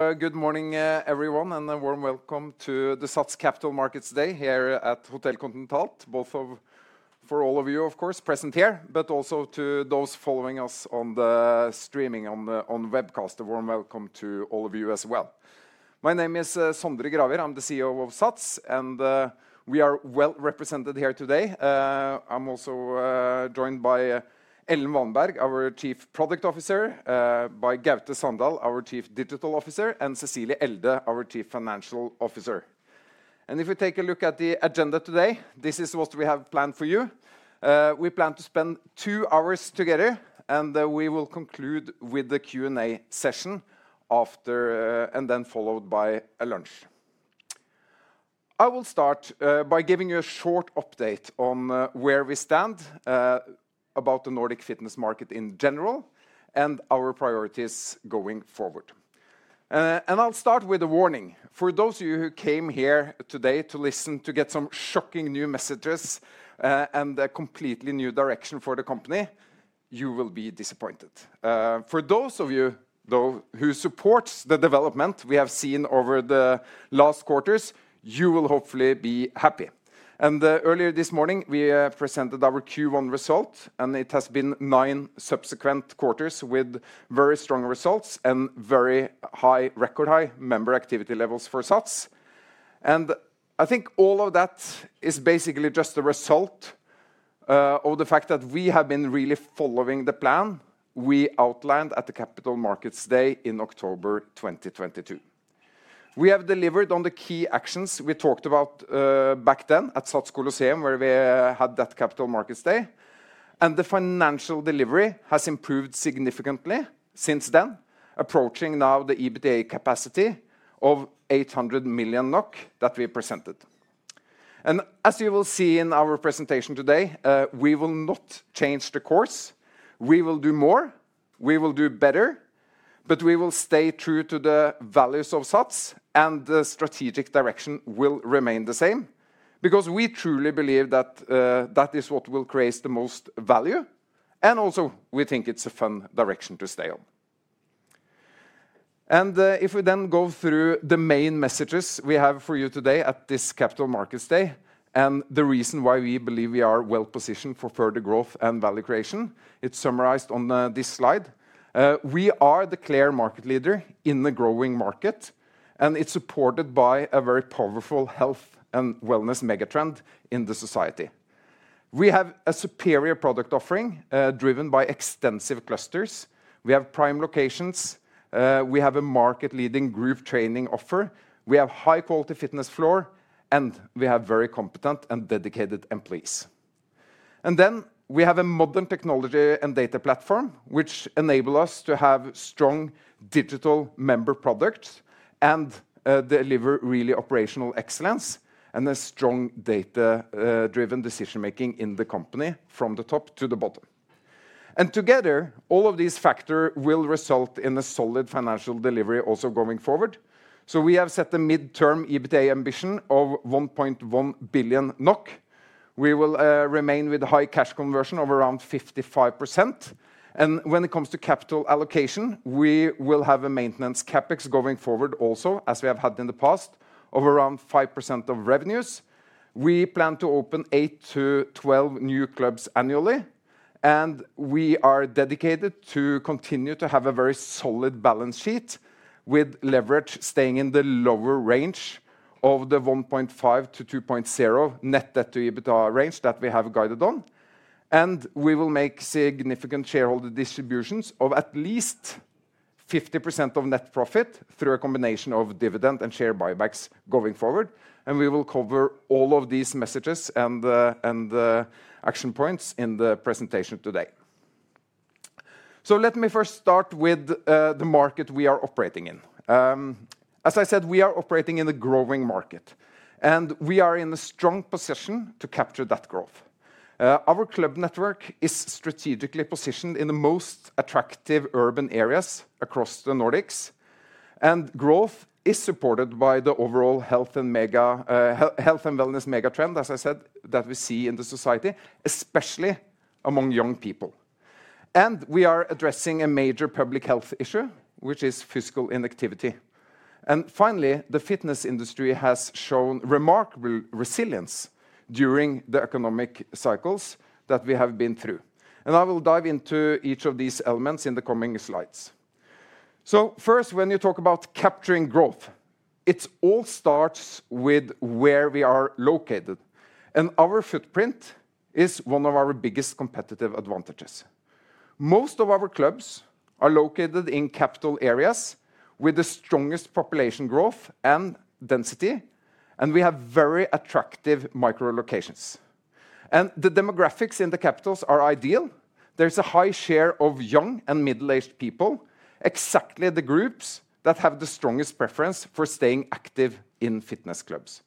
Good morning, everyone, and a warm welcome to the SATS Capital Markets Day here at Hotel Continental, both for all of you, of course, present here, but also to those following us on the streaming, on the webcast. A warm welcome to all of you as well. My name is Sondre Gravir, I'm the CEO of SATS, and we are well represented here today. I'm also joined by Ellen Vanberg, our Chief Product Officer, by Gaute Sandal, our Chief Digital Officer, and Cecilie Elde, our Chief Financial Officer. If we take a look at the agenda today, this is what we have planned for you. We plan to spend two hours together, and we will conclude with the Q&A session after, and then followed by a lunch. I will start by giving you a short update on where we stand about the Nordic fitness market in general and our priorities going forward. I'll start with a warning. For those of you who came here today to listen to get some shocking new messages and a completely new direction for the company, you will be disappointed. For those of you, though, who support the development we have seen over the last quarters, you will hopefully be happy. Earlier this morning, we presented our Q1 result, and it has been nine subsequent quarters with very strong results and very high record high member activity levels for SATS. I think all of that is basically just a result of the fact that we have been really following the plan we outlined at the Capital Markets Day in October 2022. We have delivered on the key actions we talked about back then at SATS Coliseum, where we had that Capital Markets Day. The financial delivery has improved significantly since then, approaching now the EBITDA capacity of 800 million NOK that we presented. As you will see in our presentation today, we will not change the course. We will do more, we will do better, but we will stay true to the values of SATS, and the strategic direction will remain the same because we truly believe that that is what will create the most value. We also think it's a fun direction to stay on. If we then go through the main messages we have for you today at this Capital Markets Day and the reason why we believe we are well positioned for further growth and value creation, it's summarized on this slide. We are the clear market leader in a growing market, and it's supported by a very powerful health and wellness megatrend in the society. We have a superior product offering driven by extensive clusters. We have prime locations. We have a market-leading group training offer. We have high-quality fitness floor, and we have very competent and dedicated employees. We have a modern technology and data platform, which enables us to have strong digital member products and deliver really operational excellence and a strong data-driven decision-making in the company from the top to the bottom. Together, all of these factors will result in a solid financial delivery also going forward. We have set a mid-term EBITDA ambition of 1.1 billion NOK. We will remain with a high cash conversion of around 55%. When it comes to capital allocation, we will have a maintenance CapEx going forward also, as we have had in the past, of around 5% of revenues. We plan to open eight to 12 new clubs annually, and we are dedicated to continue to have a very solid balance sheet with leverage staying in the lower range of the 1.5-2.0 net debt to EBITDA range that we have guided on. We will make significant shareholder distributions of at least 50% of net profit through a combination of dividend and share buybacks going forward. We will cover all of these messages and action points in the presentation today. Let me first start with the market we are operating in. As I said, we are operating in a growing market, and we are in a strong position to capture that growth. Our club network is strategically positioned in the most attractive urban areas across the Nordics, and growth is supported by the overall health and wellness mega trend, as I said, that we see in the society, especially among young people. We are addressing a major public health issue, which is physical inactivity. Finally, the fitness industry has shown remarkable resilience during the economic cycles that we have been through. I will dive into each of these elements in the coming slides. First, when you talk about capturing growth, it all starts with where we are located. Our footprint is one of our biggest competitive advantages. Most of our clubs are located in capital areas with the strongest population growth and density, and we have very attractive micro-locations. The demographics in the capitals are ideal. is a high share of young and middle-aged people, exactly the groups that have the strongest preference for staying active in fitness clubs.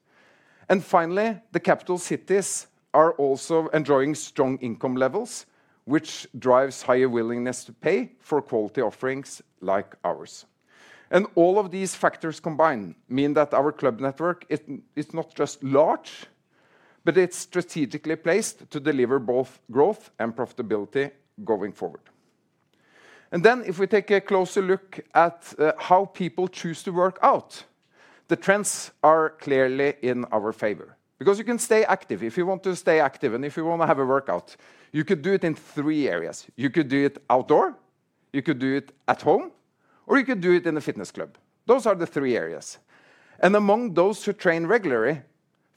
Finally, the capital cities are also enjoying strong income levels, which drives higher willingness to pay for quality offerings like ours. All of these factors combined mean that our club network is not just large, but it is strategically placed to deliver both growth and profitability going forward. If we take a closer look at how people choose to work out, the trends are clearly in our favor because you can stay active if you want to stay active and if you want to have a workout. You could do it in three areas. You could do it outdoor, you could do it at home, or you could do it in a fitness club. Those are the three areas. Among those who train regularly,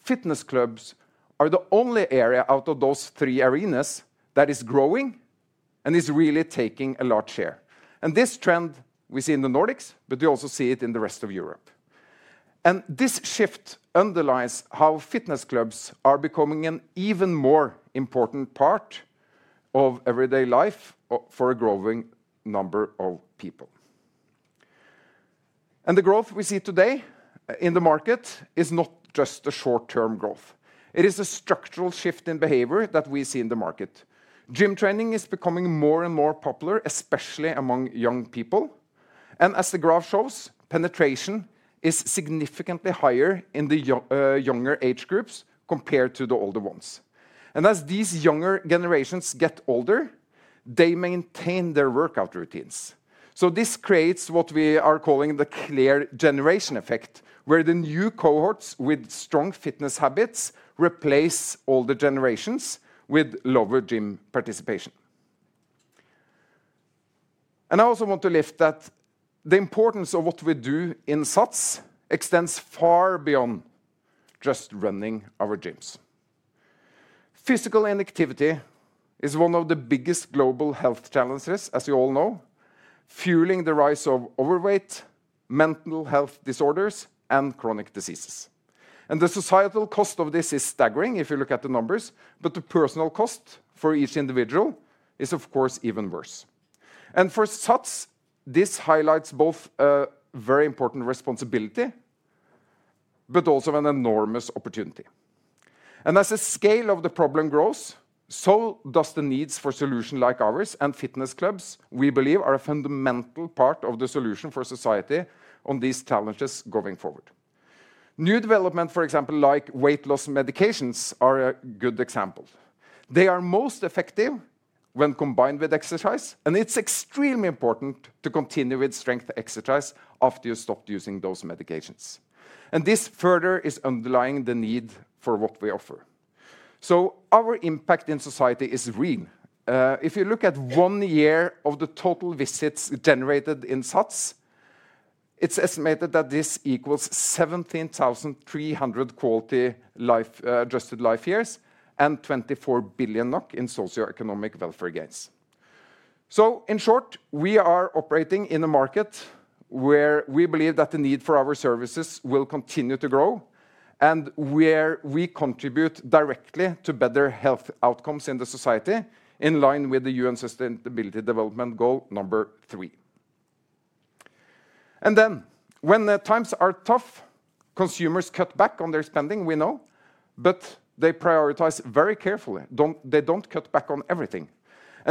fitness clubs are the only area out of those three arenas that is growing and is really taking a large share. This trend we see in the Nordics, but you also see it in the rest of Europe. This shift underlines how fitness clubs are becoming an even more important part of everyday life for a growing number of people. The growth we see today in the market is not just a short-term growth. It is a structural shift in behavior that we see in the market. Gym training is becoming more and more popular, especially among young people. As the graph shows, penetration is significantly higher in the younger age groups compared to the older ones. As these younger generations get older, they maintain their workout routines. This creates what we are calling the clear generation effect, where the new cohorts with strong fitness habits replace older generations with lower gym participation. I also want to lift that the importance of what we do in SATS extends far beyond just running our gyms. Physical inactivity is one of the biggest global health challenges, as you all know, fueling the rise of overweight, mental health disorders, and chronic diseases. The societal cost of this is staggering if you look at the numbers, but the personal cost for each individual is, of course, even worse. For SATS, this highlights both a very important responsibility, but also an enormous opportunity. As the scale of the problem grows, so do the needs for solutions like ours and fitness clubs. We believe fitness clubs are a fundamental part of the solution for society on these challenges going forward. New developments, for example, like weight loss medications are a good example. They are most effective when combined with exercise, and it's extremely important to continue with strength exercise after you stop using those medications. This further is underlying the need for what we offer. Our impact in society is real. If you look at one year of the total visits generated in SATS, it's estimated that this equals 17,300 quality adjusted life years and 24 billion NOK in socioeconomic welfare gains. In short, we are operating in a market where we believe that the need for our services will continue to grow and where we contribute directly to better health outcomes in the society in line with the UN Sustainability Development Goal number three. When times are tough, consumers cut back on their spending, we know, but they prioritize very carefully. They do not cut back on everything.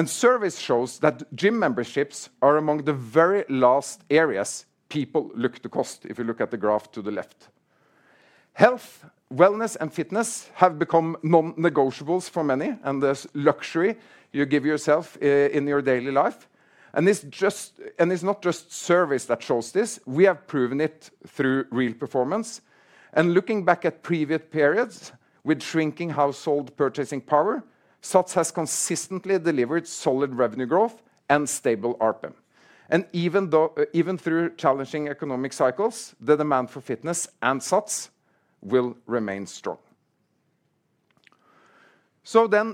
Surveys show that gym memberships are among the very last areas people look to cut costs if you look at the graph to the left. Health, wellness, and fitness have become non-negotiables for many and the luxury you give yourself in your daily life. It is not just surveys that show this. We have proven it through real performance. Looking back at previous periods with shrinking household purchasing power, SATS has consistently delivered solid revenue growth and stable outcomes. Even through challenging economic cycles, the demand for fitness and SATS will remain strong.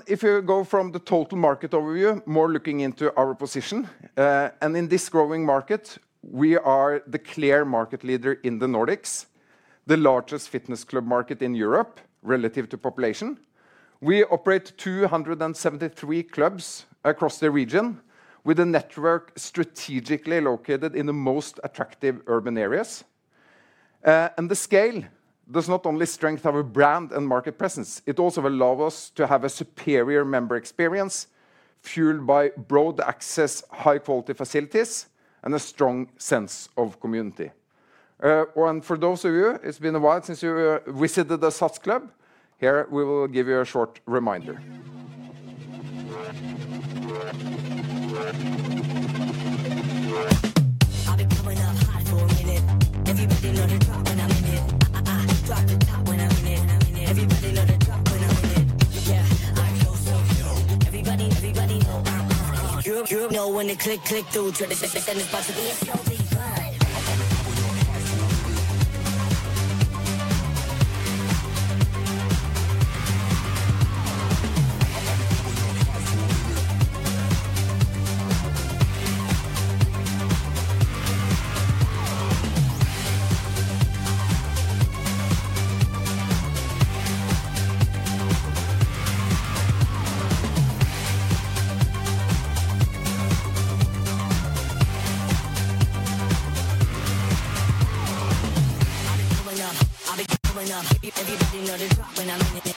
If you go from the total market overview, more looking into our position, in this growing market, we are the clear market leader in the Nordics, the largest fitness club market in Europe relative to population. We operate 273 clubs across the region with a network strategically located in the most attractive urban areas. The scale does not only strengthen our brand and market presence. It also allows us to have a superior member experience fueled by broad access, high-quality facilities, and a strong sense of community. For those of you, it's been a while since you visited the SATS club. Here, we will give you a short reminder. I've been coming up high for a minute. Everybody know the drop when I'm in it. Drop the top when I'm in it. Everybody know the drop when I'm in it. Yeah, I'm so so cool. Everybody, everybody. No one to click click through. Try to send this part to me. I've been coming up. Ih've been coming up. Everybody know the drop when I'm in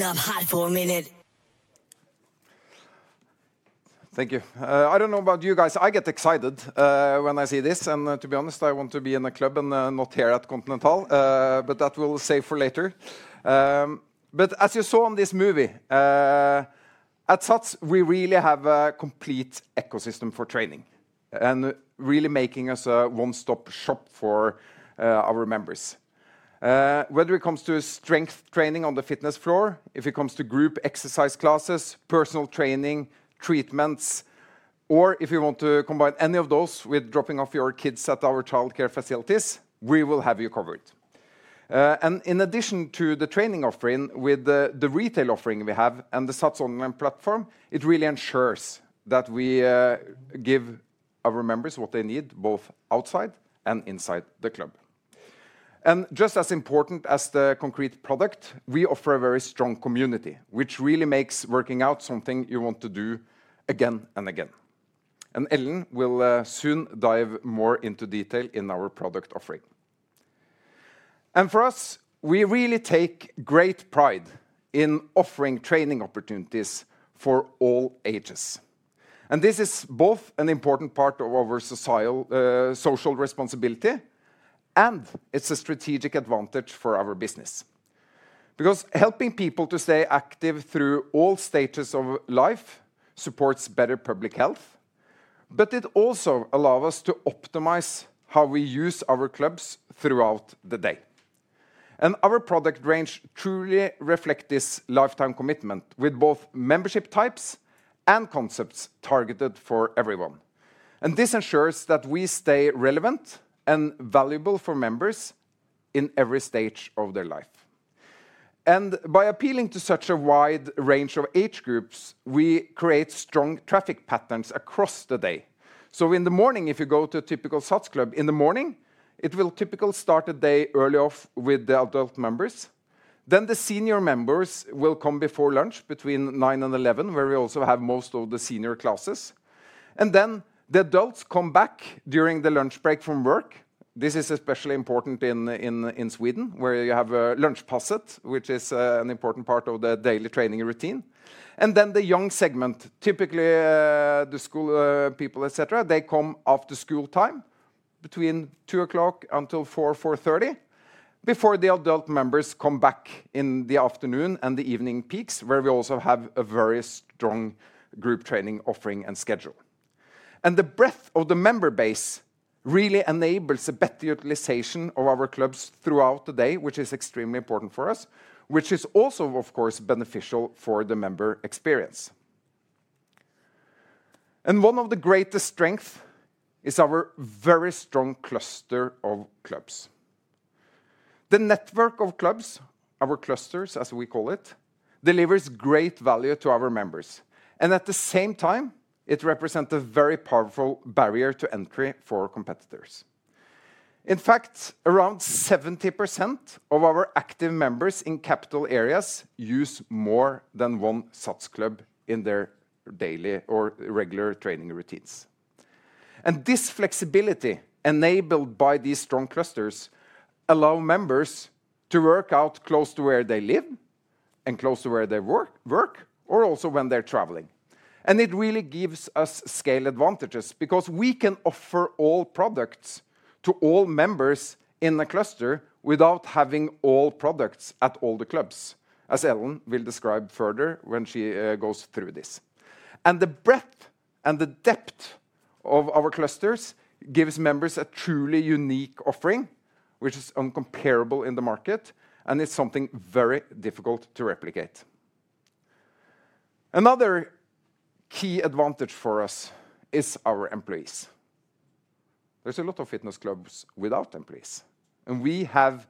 it. Drop the top when I'm in it. Everybody know the drop when I'm in it. Yeah, I'm so so cool. Everybody, everybody know I'm on. No one to click click through. Try to send this part to me. I've been coming up high for a minute. Thank you. I don't know about you guys. I get excited when I see this. To be honest, I want to be in a club and not here at Continental, but that we'll save for later. As you saw in this movie, at SATS, we really have a complete ecosystem for training and really making us a one-stop shop for our members. Whether it comes to strength training on the fitness floor, if it comes to group exercise classes, personal training, treatments, or if you want to combine any of those with dropping off your kids at our childcare facilities, we will have you covered. In addition to the training offering with the retail offering we have and the SATS online platform, it really ensures that we give our members what they need both outside and inside the club. Just as important as the concrete product, we offer a very strong community, which really makes working out something you want to do again and again. Ellen will soon dive more into detail in our product offering. For us, we really take great pride in offering training opportunities for all ages. This is both an important part of our social responsibility, and it is a strategic advantage for our business because helping people to stay active through all stages of life supports better public health, but it also allows us to optimize how we use our clubs throughout the day. Our product range truly reflects this lifetime commitment with both membership types and concepts targeted for everyone. This ensures that we stay relevant and valuable for members in every stage of their life. By appealing to such a wide range of age groups, we create strong traffic patterns across the day. In the morning, if you go to a typical SATS club, it will typically start the day early off with the adult members. The senior members will come before lunch between 9:00 A.M. and 11:00 A.M., where we also have most of the senior classes. The adults come back during the lunch break from work. This is especially important in Sweden, where you have a lunch passet, which is an important part of the daily training routine. The young segment, typically the school people, etc., they come after school time between 2:00 P.M. until 4:00 P.M., 4:30 P.M., before the adult members come back in the afternoon and the evening peaks, where we also have a very strong group training offering and schedule. The breadth of the member base really enables a better utilization of our clubs throughout the day, which is extremely important for us, which is also, of course, beneficial for the member experience. One of the greatest strengths is our very strong cluster of clubs. The network of clubs, our clusters, as we call it, delivers great value to our members. At the same time, it represents a very powerful barrier to entry for competitors. In fact, around 70% of our active members in capital areas use more than one SATS club in their daily or regular training routines. This flexibility enabled by these strong clusters allows members to work out close to where they live and close to where they work, or also when they're traveling. It really gives us scale advantages because we can offer all products to all members in a cluster without having all products at all the clubs, as Ellen will describe further when she goes through this. The breadth and the depth of our clusters gives members a truly unique offering, which is uncomparable in the market and is something very difficult to replicate. Another key advantage for us is our employees. There are a lot of fitness clubs without employees. We have,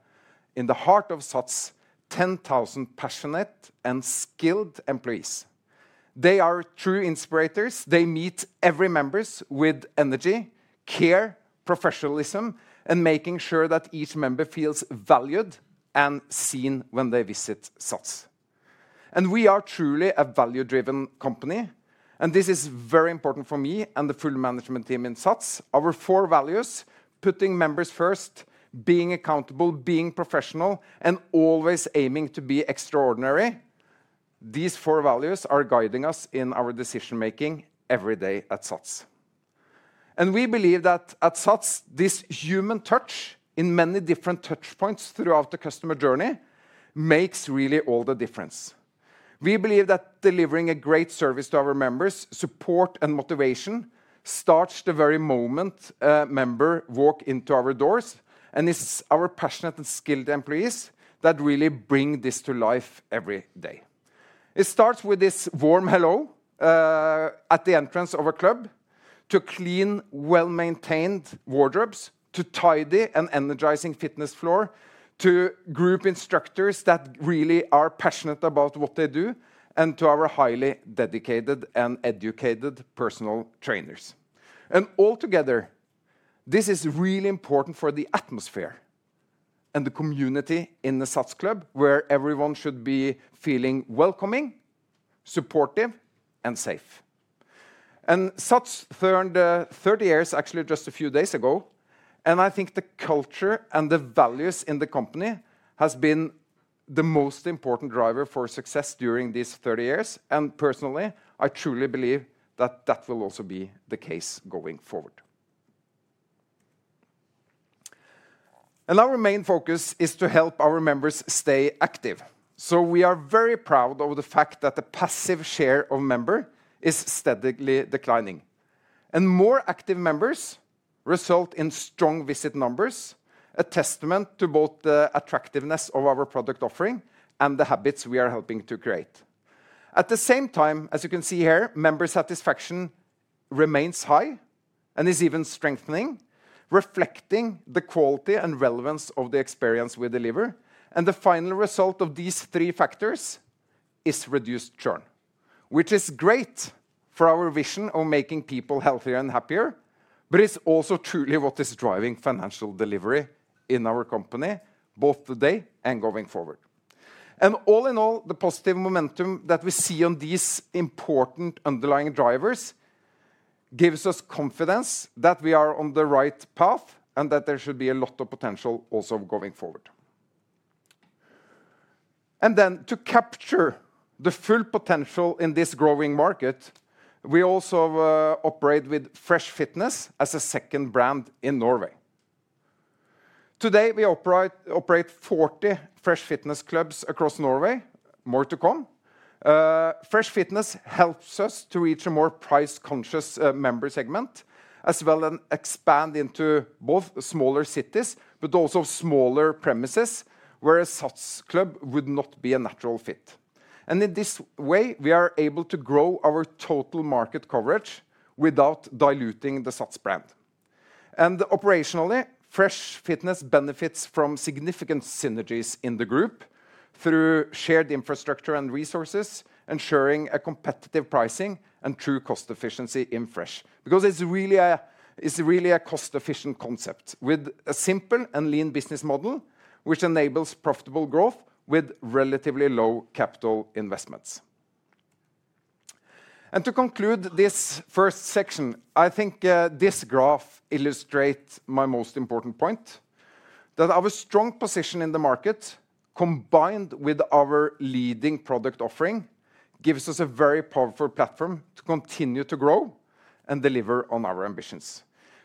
in the heart of SATS, 10,000 passionate and skilled employees. They are true inspirators. They meet every member with energy, care, professionalism, and making sure that each member feels valued and seen when they visit SATS. We are truly a value-driven company. This is very important for me and the full management team in SATS. Our four values, putting members first, being accountable, being professional, and always aiming to be extraordinary, these four values are guiding us in our decision-making every day at SATS. We believe that at SATS, this human touch in many different touchpoints throughout the customer journey makes really all the difference. We believe that delivering a great service to our members, support, and motivation starts the very moment a member walks into our doors. It's our passionate and skilled employees that really bring this to life every day. It starts with this warm hello at the entrance of a club, to clean, well-maintained wardrobes, to tidy and energizing fitness floor, to group instructors that really are passionate about what they do, and to our highly dedicated and educated personal trainers. Altogether, this is really important for the atmosphere and the community in the SATS club, where everyone should be feeling welcoming, supportive, and safe. SATS turned 30 years actually just a few days ago. I think the culture and the values in the company have been the most important driver for success during these 30 years. Personally, I truly believe that that will also be the case going forward. Our main focus is to help our members stay active. We are very proud of the fact that the passive share of members is steadily declining. More active members result in strong visit numbers, a testament to both the attractiveness of our product offering and the habits we are helping to create. At the same time, as you can see here, member satisfaction remains high and is even strengthening, reflecting the quality and relevance of the experience we deliver. The final result of these three factors is reduced churn, which is great for our vision of making people healthier and happier, but it is also truly what is driving financial delivery in our company, both today and going forward. All in all, the positive momentum that we see on these important underlying drivers gives us confidence that we are on the right path and that there should be a lot of potential also going forward. To capture the full potential in this growing market, we also operate with Fresh Fitness as a second brand in Norway. Today, we operate 40 Fresh Fitness clubs across Norway, more to come. Fresh Fitness helps us to reach a more price-conscious member segment, as well as expand into both smaller cities, but also smaller premises, where a SATS club would not be a natural fit. In this way, we are able to grow our total market coverage without diluting the SATS brand. Operationally, Fresh Fitness benefits from significant synergies in the group through shared infrastructure and resources, ensuring competitive pricing and true cost efficiency in Fresh because it's really a cost-efficient concept with a simple and lean business model, which enables profitable growth with relatively low capital investments. To conclude this first section, I think this graph illustrates my most important point, that our strong position in the market, combined with our leading product offering, gives us a very powerful platform to continue to grow and deliver on our ambitions.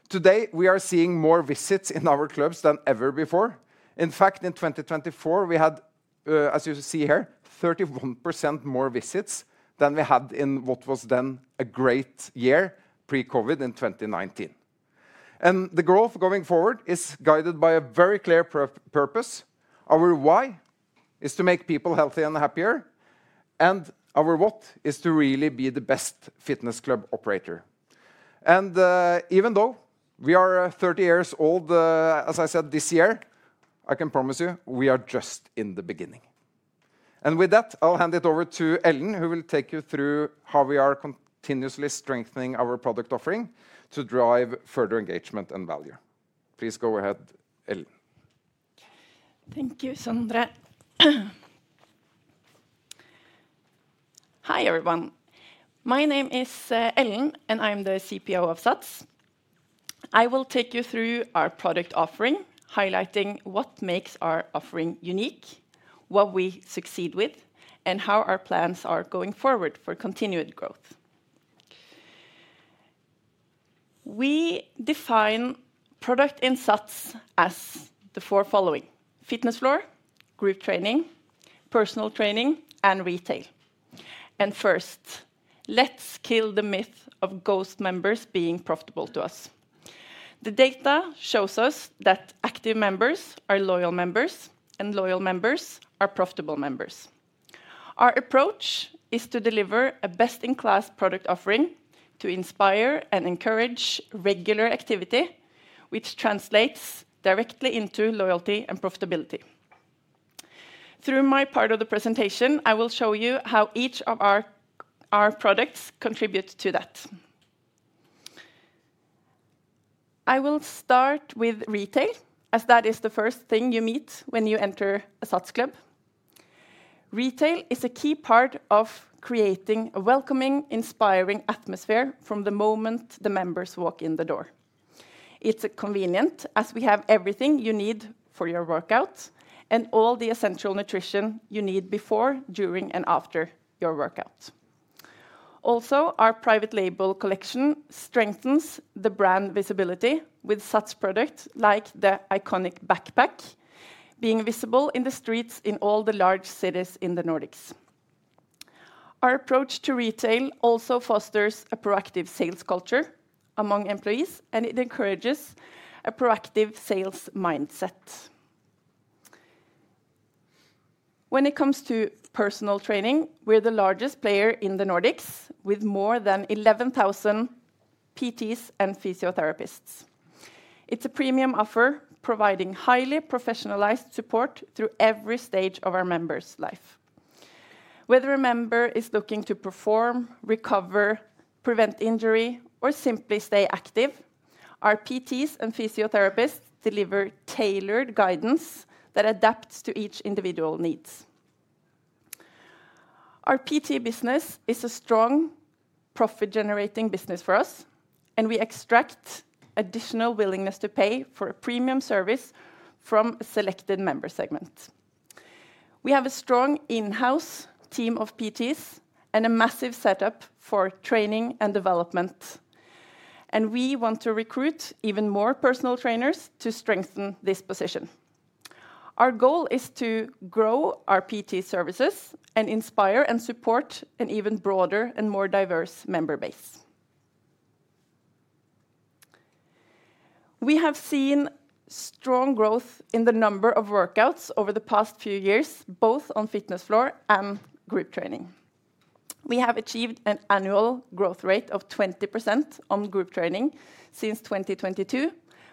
Today, we are seeing more visits in our clubs than ever before. In fact, in 2024, we had, as you see here, 31% more visits than we had in what was then a great year pre-COVID in 2019. The growth going forward is guided by a very clear purpose. Our why is to make people healthy and happier, and our what is to really be the best fitness club operator. Even though we are 30 years old, as I said this year, I can promise you we are just in the beginning. With that, I'll hand it over to Ellen, who will take you through how we are continuously strengthening our product offering to drive further engagement and value. Please go ahead, Ellen. Thank you, Sondre. Hi everyone. My name is Ellen, and I'm the CPO of SATS. I will take you through our product offering, highlighting what makes our offering unique, what we succeed with, and how our plans are going forward for continued growth. We define product in SATS as the four following: fitness floor, group training, personal training, and retail. First, let's kill the myth of ghost members being profitable to us. The data shows us that active members are loyal members, and loyal members are profitable members. Our approach is to deliver a best-in-class product offering to inspire and encourage regular activity, which translates directly into loyalty and profitability. Through my part of the presentation, I will show you how each of our products contributes to that. I will start with retail, as that is the first thing you meet when you enter a SATS club. Retail is a key part of creating a welcoming, inspiring atmosphere from the moment the members walk in the door. It's convenient, as we have everything you need for your workout and all the essential nutrition you need before, during, and after your workout. Also, our private label collection strengthens the brand visibility with SATS products like the iconic backpack being visible in the streets in all the large cities in the Nordics. Our approach to retail also fosters a proactive sales culture among employees, and it encourages a proactive sales mindset. When it comes to personal training, we're the largest player in the Nordics, with more than 11,000 PTs and physiotherapists. It's a premium offer, providing highly professionalized support through every stage of our members' life. Whether a member is looking to perform, recover, prevent injury, or simply stay active, our PTs and physiotherapists deliver tailored guidance that adapts to each individual's needs. Our PT business is a strong profit-generating business for us, and we extract additional willingness to pay for a premium service from a selected member segment. We have a strong in-house team of PTs and a massive setup for training and development, and we want to recruit even more personal trainers to strengthen this position. Our goal is to grow our PT services and inspire and support an even broader and more diverse member base. We have seen strong growth in the number of workouts over the past few years, both on fitness floor and group training. We have achieved an annual growth rate of 20% on group training since 2022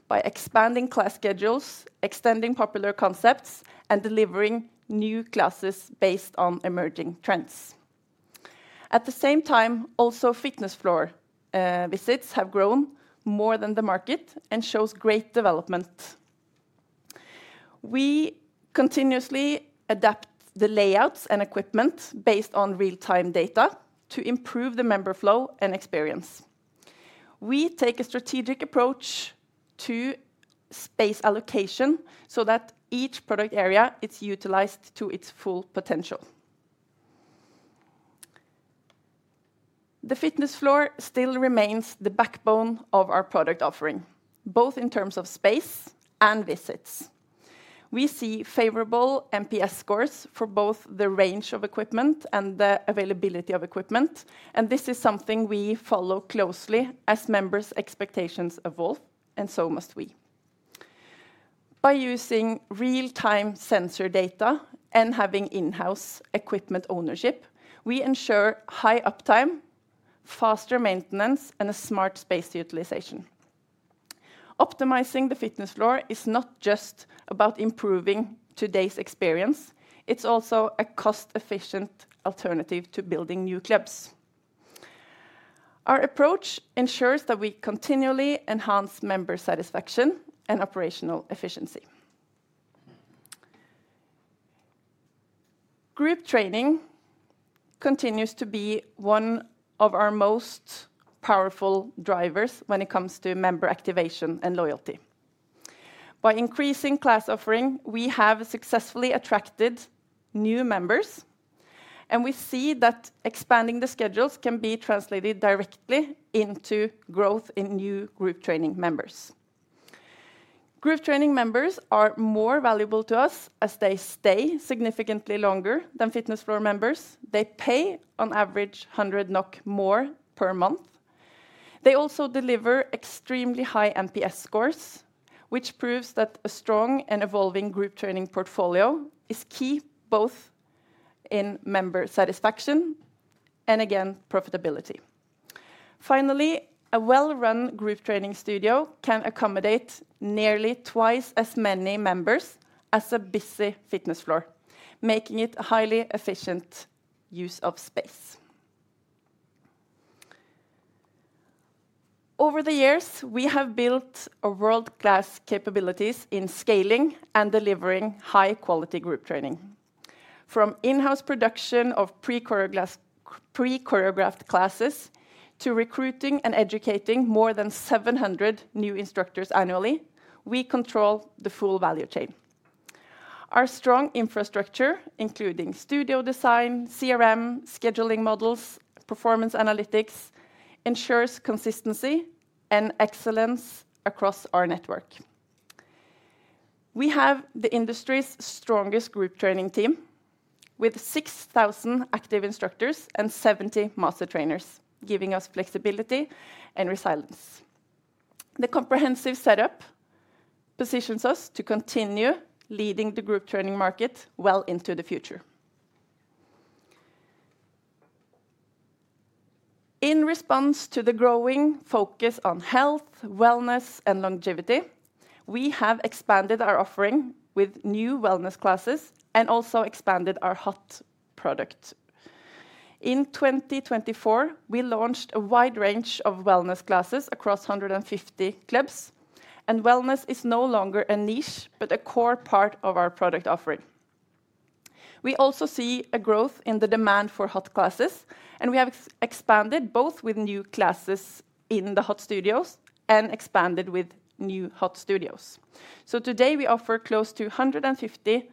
by expanding class schedules, extending popular concepts, and delivering new classes based on emerging trends. At the same time, also fitness floor visits have grown more than the market and show great development. We continuously adapt the layouts and equipment based on real-time data to improve the member flow and experience. We take a strategic approach to space allocation so that each product area is utilized to its full potential. The fitness floor still remains the backbone of our product offering, both in terms of space and visits. We see favorable NPS scores for both the range of equipment and the availability of equipment, and this is something we follow closely as members' expectations evolve, and so must we. By using real-time sensor data and having in-house equipment ownership, we ensure high uptime, faster maintenance, and smart space utilization. Optimizing the fitness floor is not just about improving today's experience. It is also a cost-efficient alternative to building new clubs. Our approach ensures that we continually enhance member satisfaction and operational efficiency. Group training continues to be one of our most powerful drivers when it comes to member activation and loyalty. By increasing class offering, we have successfully attracted new members, and we see that expanding the schedules can be translated directly into growth in new group training members. Group training members are more valuable to us as they stay significantly longer than fitness floor members. They pay, on average, 100 NOK more per month. They also deliver extremely high NPS scores, which proves that a strong and evolving group training portfolio is key both in member satisfaction and, again, profitability. Finally, a well-run group training studio can accommodate nearly twice as many members as a busy fitness floor, making it a highly efficient use of space. Over the years, we have built world-class capabilities in scaling and delivering high-quality group training. From in-house production of pre-choreographed classes to recruiting and educating more than 700 new instructors annually, we control the full value chain. Our strong infrastructure, including studio design, CRM, scheduling models, and performance analytics, ensures consistency and excellence across our network. We have the industry's strongest group training team with 6,000 active instructors and 70 master trainers, giving us flexibility and resilience. The comprehensive setup positions us to continue leading the group training market well into the future. In response to the growing focus on health, wellness, and longevity, we have expanded our offering with new wellness classes and also expanded our hot product. In 2024, we launched a wide range of wellness classes across 150 clubs, and wellness is no longer a niche, but a core part of our product offering. We also see a growth in the demand for hot classes, and we have expanded both with new classes in the hot studios and expanded with new hot studios. Today, we offer close to 150 hot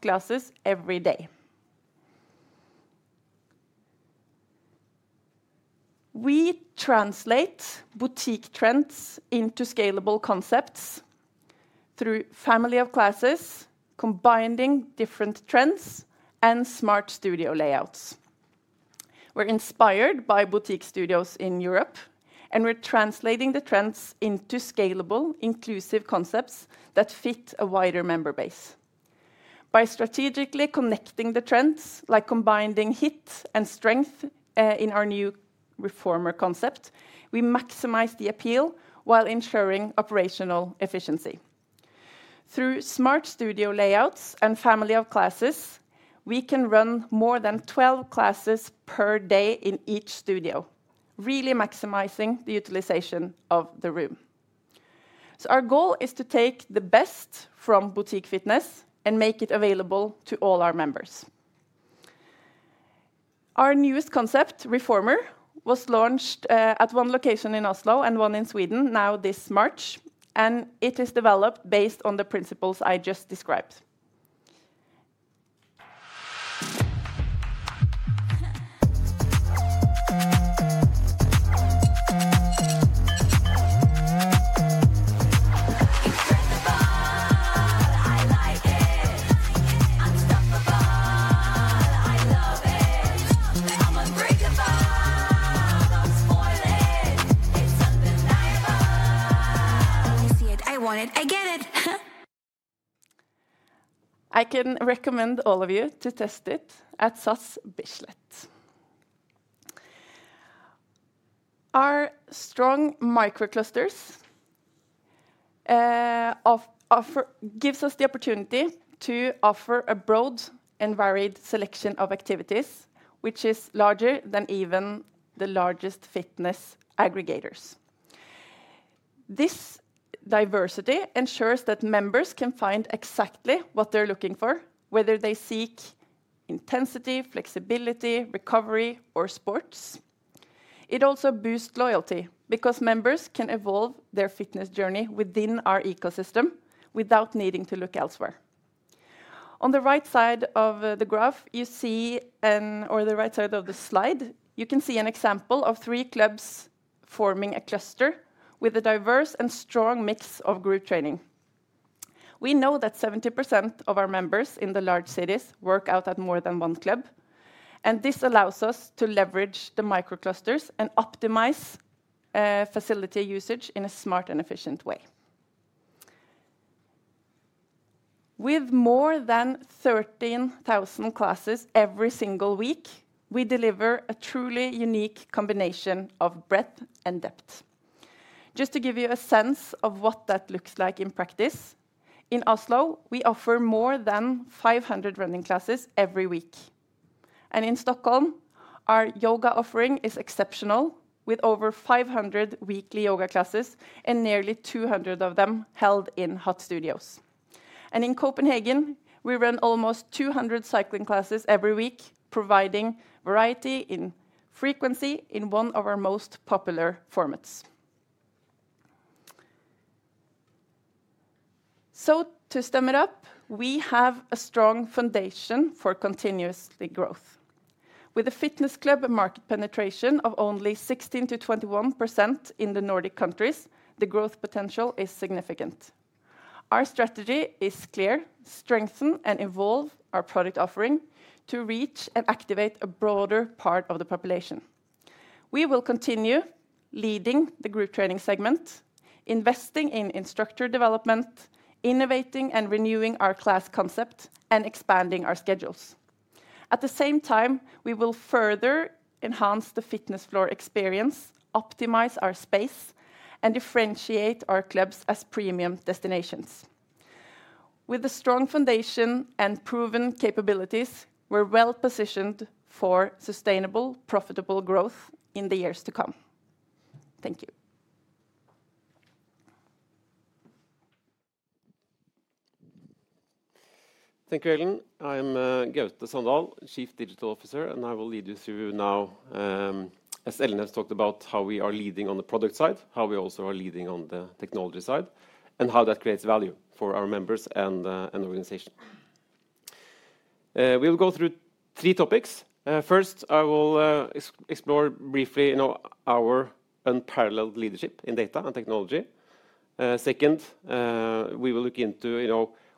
classes every day. We translate boutique trends into scalable concepts through family of classes, combining different trends and smart studio layouts. We are inspired by boutique studios in Europe, and we are translating the trends into scalable, inclusive concepts that fit a wider member base. By strategically connecting the trends, like combining heat and strength in our new Reformer concept, we maximize the appeal while ensuring operational efficiency. Through smart studio layouts and family of classes, we can run more than 12 classes per day in each studio, really maximizing the utilization of the room. Our goal is to take the best from boutique fitness and make it available to all our members. Our newest concept, Reformer, was launched at one location in Oslo and one in Sweden now this March, and it is developed based on the principles I just described. It's breakable, I like it. Unstoppable, I love it. I'm unbreakable, don't spoil it. It's undeniable. I see it, I want it, I get it. I can recommend all of you to test it at SATS Bislett. Our strong microclusters give us the opportunity to offer a broad and varied selection of activities, which is larger than even the largest fitness aggregators. This diversity ensures that members can find exactly what they're looking for, whether they seek intensity, flexibility, recovery, or sports. It also boosts loyalty because members can evolve their fitness journey within our ecosystem without needing to look elsewhere. On the right side of the graph, you see, or the right side of the slide, you can see an example of three clubs forming a cluster with a diverse and strong mix of group training. We know that 70% of our members in the large cities work out at more than one club, and this allows us to leverage the microclusters and optimize facility usage in a smart and efficient way. With more than 13,000 classes every single week, we deliver a truly unique combination of breadth and depth. Just to give you a sense of what that looks like in practice, in Oslo, we offer more than 500 running classes every week. In Stockholm, our yoga offering is exceptional, with over 500 weekly yoga classes and nearly 200 of them held in hot studios. In Copenhagen, we run almost 200 cycling classes every week, providing variety in frequency in one of our most popular formats. To sum it up, we have a strong foundation for continuous growth. With a fitness club market penetration of only 16%-21% in the Nordic countries, the growth potential is significant. Our strategy is clear: strengthen and evolve our product offering to reach and activate a broader part of the population. We will continue leading the group training segment, investing in instructor development, innovating and renewing our class concept, and expanding our schedules. At the same time, we will further enhance the fitness floor experience, optimize our space, and differentiate our clubs as premium destinations. With a strong foundation and proven capabilities, we're well positioned for sustainable, profitable growth in the years to come. Thank you. Thank you, Ellen. I'm Gaute Sandal, Chief Digital Officer, and I will lead you through now as Ellen has talked about how we are leading on the product side, how we also are leading on the technology side, and how that creates value for our members and organization. We will go through three topics. First, I will explore briefly our unparalleled leadership in data and technology. Second, we will look into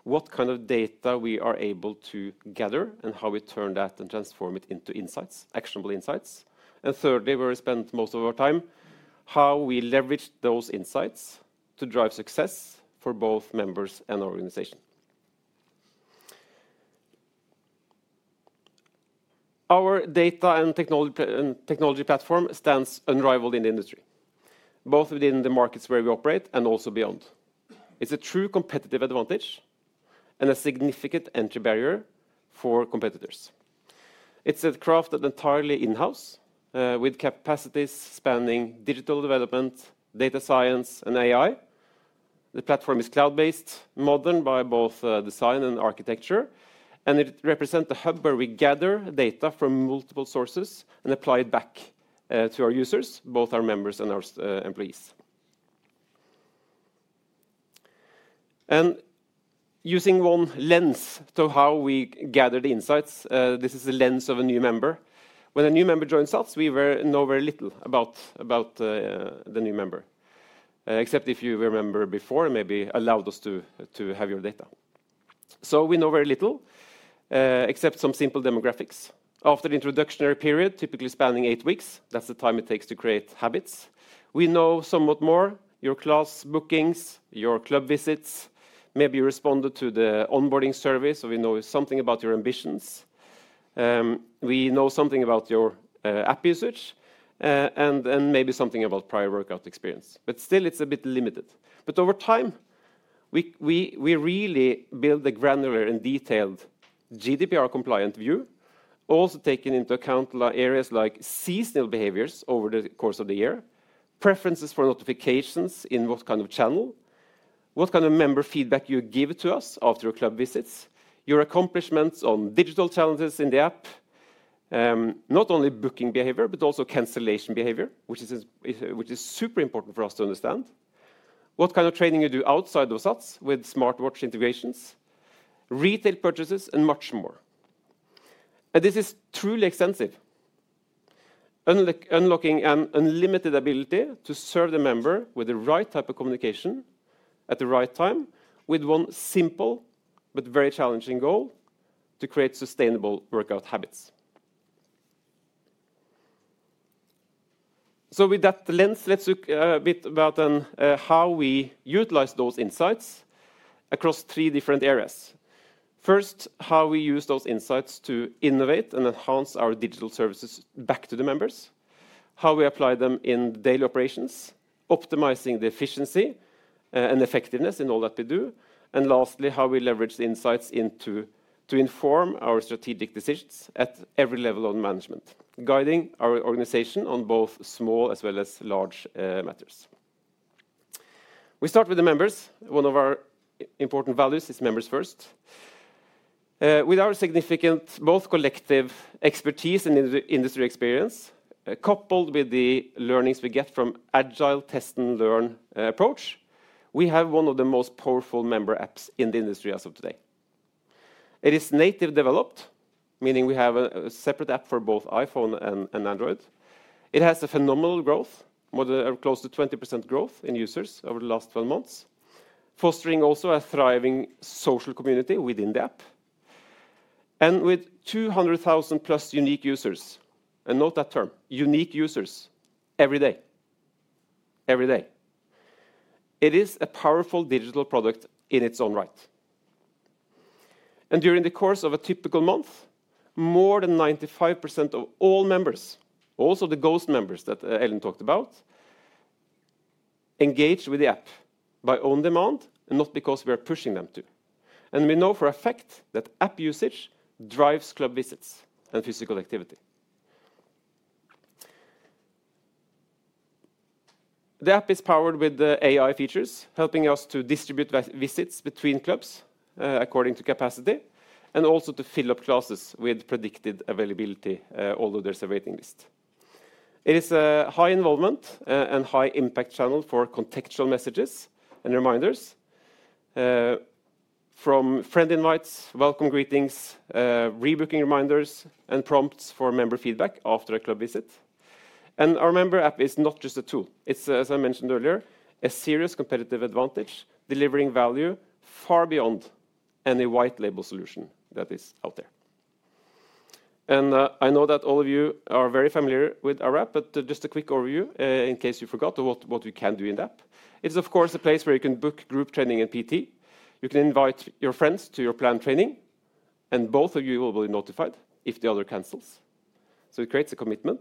what kind of data we are able to gather and how we turn that and transform it into insights, actionable insights. Thirdly, where we spend most of our time, how we leverage those insights to drive success for both members and organization. Our data and technology platform stands unrivaled in the industry, both within the markets where we operate and also beyond. It is a true competitive advantage and a significant entry barrier for competitors. It is a craft that is entirely in-house, with capacities spanning digital development, data science, and AI. The platform is cloud-based, modern by both design and architecture, and it represents the hub where we gather data from multiple sources and apply it back to our users, both our members and our employees. Using one lens to how we gather the insights, this is the lens of a new member. When a new member joins us, we know very little about the new member, except if you were a member before, maybe allowed us to have your data. We know very little, except some simple demographics. After the introductionary period, typically spanning eight weeks, that's the time it takes to create habits. We know somewhat more: your class bookings, your club visits, maybe you responded to the onboarding survey, so we know something about your ambitions. We know something about your app usage and maybe something about prior workout experience. But still, it's a bit limited. Over time, we really build a granular and detailed GDPR-compliant view, also taking into account areas like seasonal behaviors over the course of the year, preferences for notifications in what kind of channel, what kind of member feedback you give to us after your club visits, your accomplishments on digital challenges in the app, not only booking behavior, but also cancellation behavior, which is super important for us to understand, what kind of training you do outside of SATS with smartwatch integrations, retail purchases, and much more. This is truly extensive, unlocking an unlimited ability to serve the member with the right type of communication at the right time, with one simple but very challenging goal: to create sustainable workout habits. With that lens, let's look a bit about how we utilize those insights across three different areas. First, how we use those insights to innovate and enhance our digital services back to the members, how we apply them in daily operations, optimizing the efficiency and effectiveness in all that we do, and lastly, how we leverage the insights to inform our strategic decisions at every level of management, guiding our organization on both small as well as large matters. We start with the members. One of our important values is members first. With our significant both collective expertise and industry experience, coupled with the learnings we get from the agile test and learn approach, we have one of the most powerful member apps in the industry as of today. It is native developed, meaning we have a separate app for both iPhone and Android. It has a phenomenal growth, more than close to 20% growth in users over the last 12 months, fostering also a thriving social community within the app. With 200,000 plus unique users, and note that term, unique users, every day, every day. It is a powerful digital product in its own right. During the course of a typical month, more than 95% of all members, also the ghost members that Ellen talked about, engage with the app by on-demand, not because we are pushing them to. We know for a fact that app usage drives club visits and physical activity. The app is powered with AI features, helping us to distribute visits between clubs according to capacity, and also to fill up classes with predicted availability although there is a waiting list. It is a high involvement and high impact channel for contextual messages and reminders from friend invites, welcome greetings, rebooking reminders, and prompts for member feedback after a club visit. Our member app is not just a tool. It is, as I mentioned earlier, a serious competitive advantage, delivering value far beyond any white label solution that is out there. I know that all of you are very familiar with our app, but just a quick overview in case you forgot what we can do in the app. It is, of course, a place where you can book group training and PT. You can invite your friends to your planned training, and both of you will be notified if the other cancels. It creates a commitment.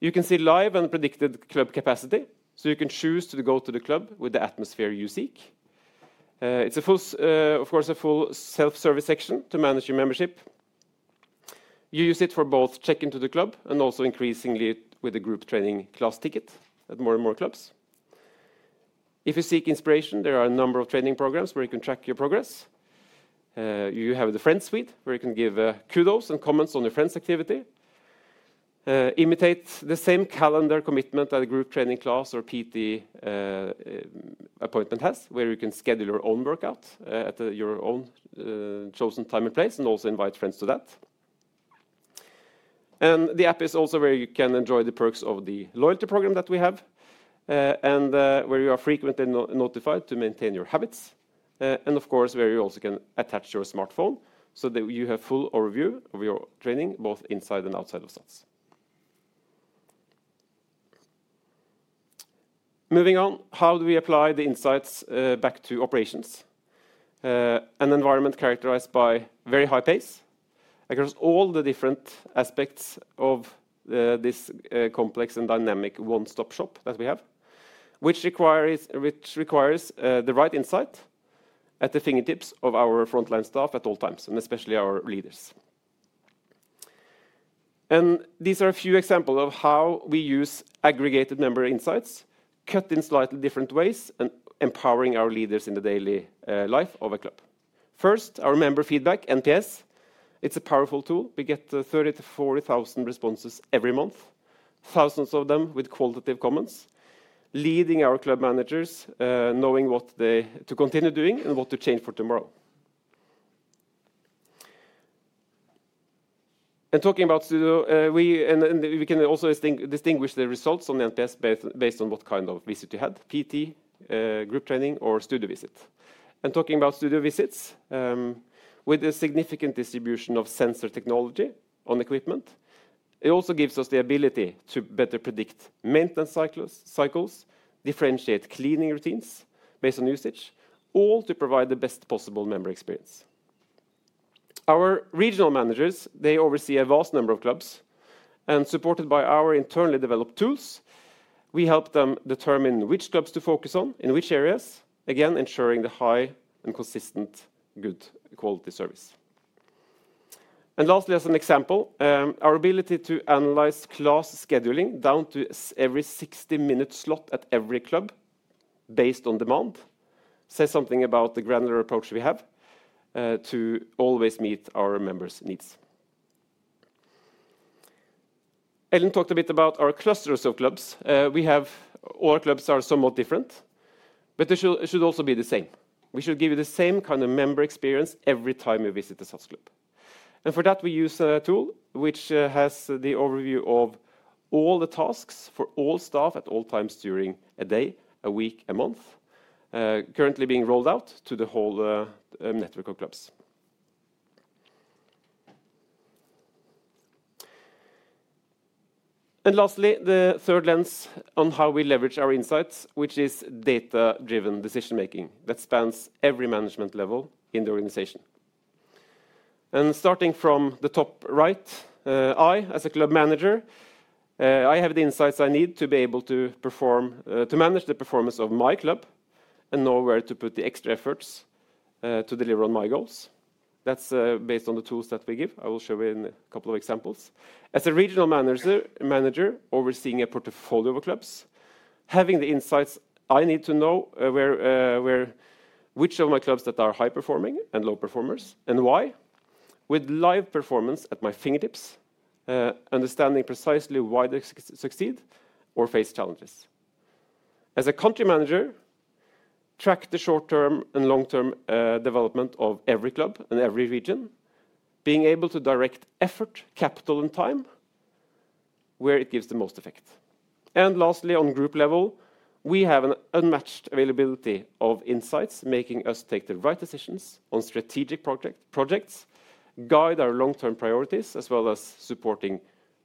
You can see live and predicted club capacity, so you can choose to go to the club with the atmosphere you seek. It's a full, of course, a full self-service section to manage your membership. You use it for both checking into the club and also increasingly with a group training class ticket at more and more clubs. If you seek inspiration, there are a number of training programs where you can track your progress. You have the friends suite where you can give kudos and comments on your friends' activity. Imitate the same calendar commitment that a group training class or PT appointment has, where you can schedule your own workout at your own chosen time and place and also invite friends to that. The app is also where you can enjoy the perks of the loyalty program that we have and where you are frequently notified to maintain your habits. Of course, where you also can attach your smartphone so that you have full overview of your training both inside and outside of SATS. Moving on, how do we apply the insights back to operations? An environment characterized by very high pace across all the different aspects of this complex and dynamic one-stop shop that we have, which requires the right insight at the fingertips of our frontline staff at all times, and especially our leaders. These are a few examples of how we use aggregated member insights, cut in slightly different ways, and empowering our leaders in the daily life of a club. First, our member feedback, NPS. It's a powerful tool. We get 30,000-40,000 responses every month, thousands of them with qualitative comments, leading our club managers knowing what they need to continue doing and what to change for tomorrow. Talking about studio, we can also distinguish the results on the NPS based on what kind of visit you had, PT, group training, or studio visit. Talking about studio visits, with a significant distribution of sensor technology on equipment, it also gives us the ability to better predict maintenance cycles, differentiate cleaning routines based on usage, all to provide the best possible member experience. Our regional managers oversee a vast number of clubs, and supported by our internally developed tools, we help them determine which clubs to focus on in which areas, again, ensuring the high and consistent good quality service. Lastly, as an example, our ability to analyze class scheduling down to every 60-minute slot at every club based on demand says something about the granular approach we have to always meet our members' needs. Ellen talked a bit about our clusters of clubs. We have all our clubs are somewhat different, but they should also be the same. We should give you the same kind of member experience every time you visit a SATS club. For that, we use a tool which has the overview of all the tasks for all staff at all times during a day, a week, a month, currently being rolled out to the whole network of clubs. Lastly, the third lens on how we leverage our insights, which is data-driven decision-making that spans every management level in the organization. Starting from the top right, I, as a club manager, I have the insights I need to be able to perform, to manage the performance of my club and know where to put the extra efforts to deliver on my goals. That is based on the tools that we give. I will show you a couple of examples. As a Regional Manager, overseeing a portfolio of clubs, having the insights I need to know which of my clubs that are high-performing and low performers and why, with live performance at my fingertips, understanding precisely why they succeed or face challenges. As a country manager, track the short-term and long-term development of every club and every region, being able to direct effort, capital, and time where it gives the most effect. Lastly, on a group level, we have an unmatched availability of insights, making us take the right decisions on strategic projects, guide our long-term priorities, as well as supporting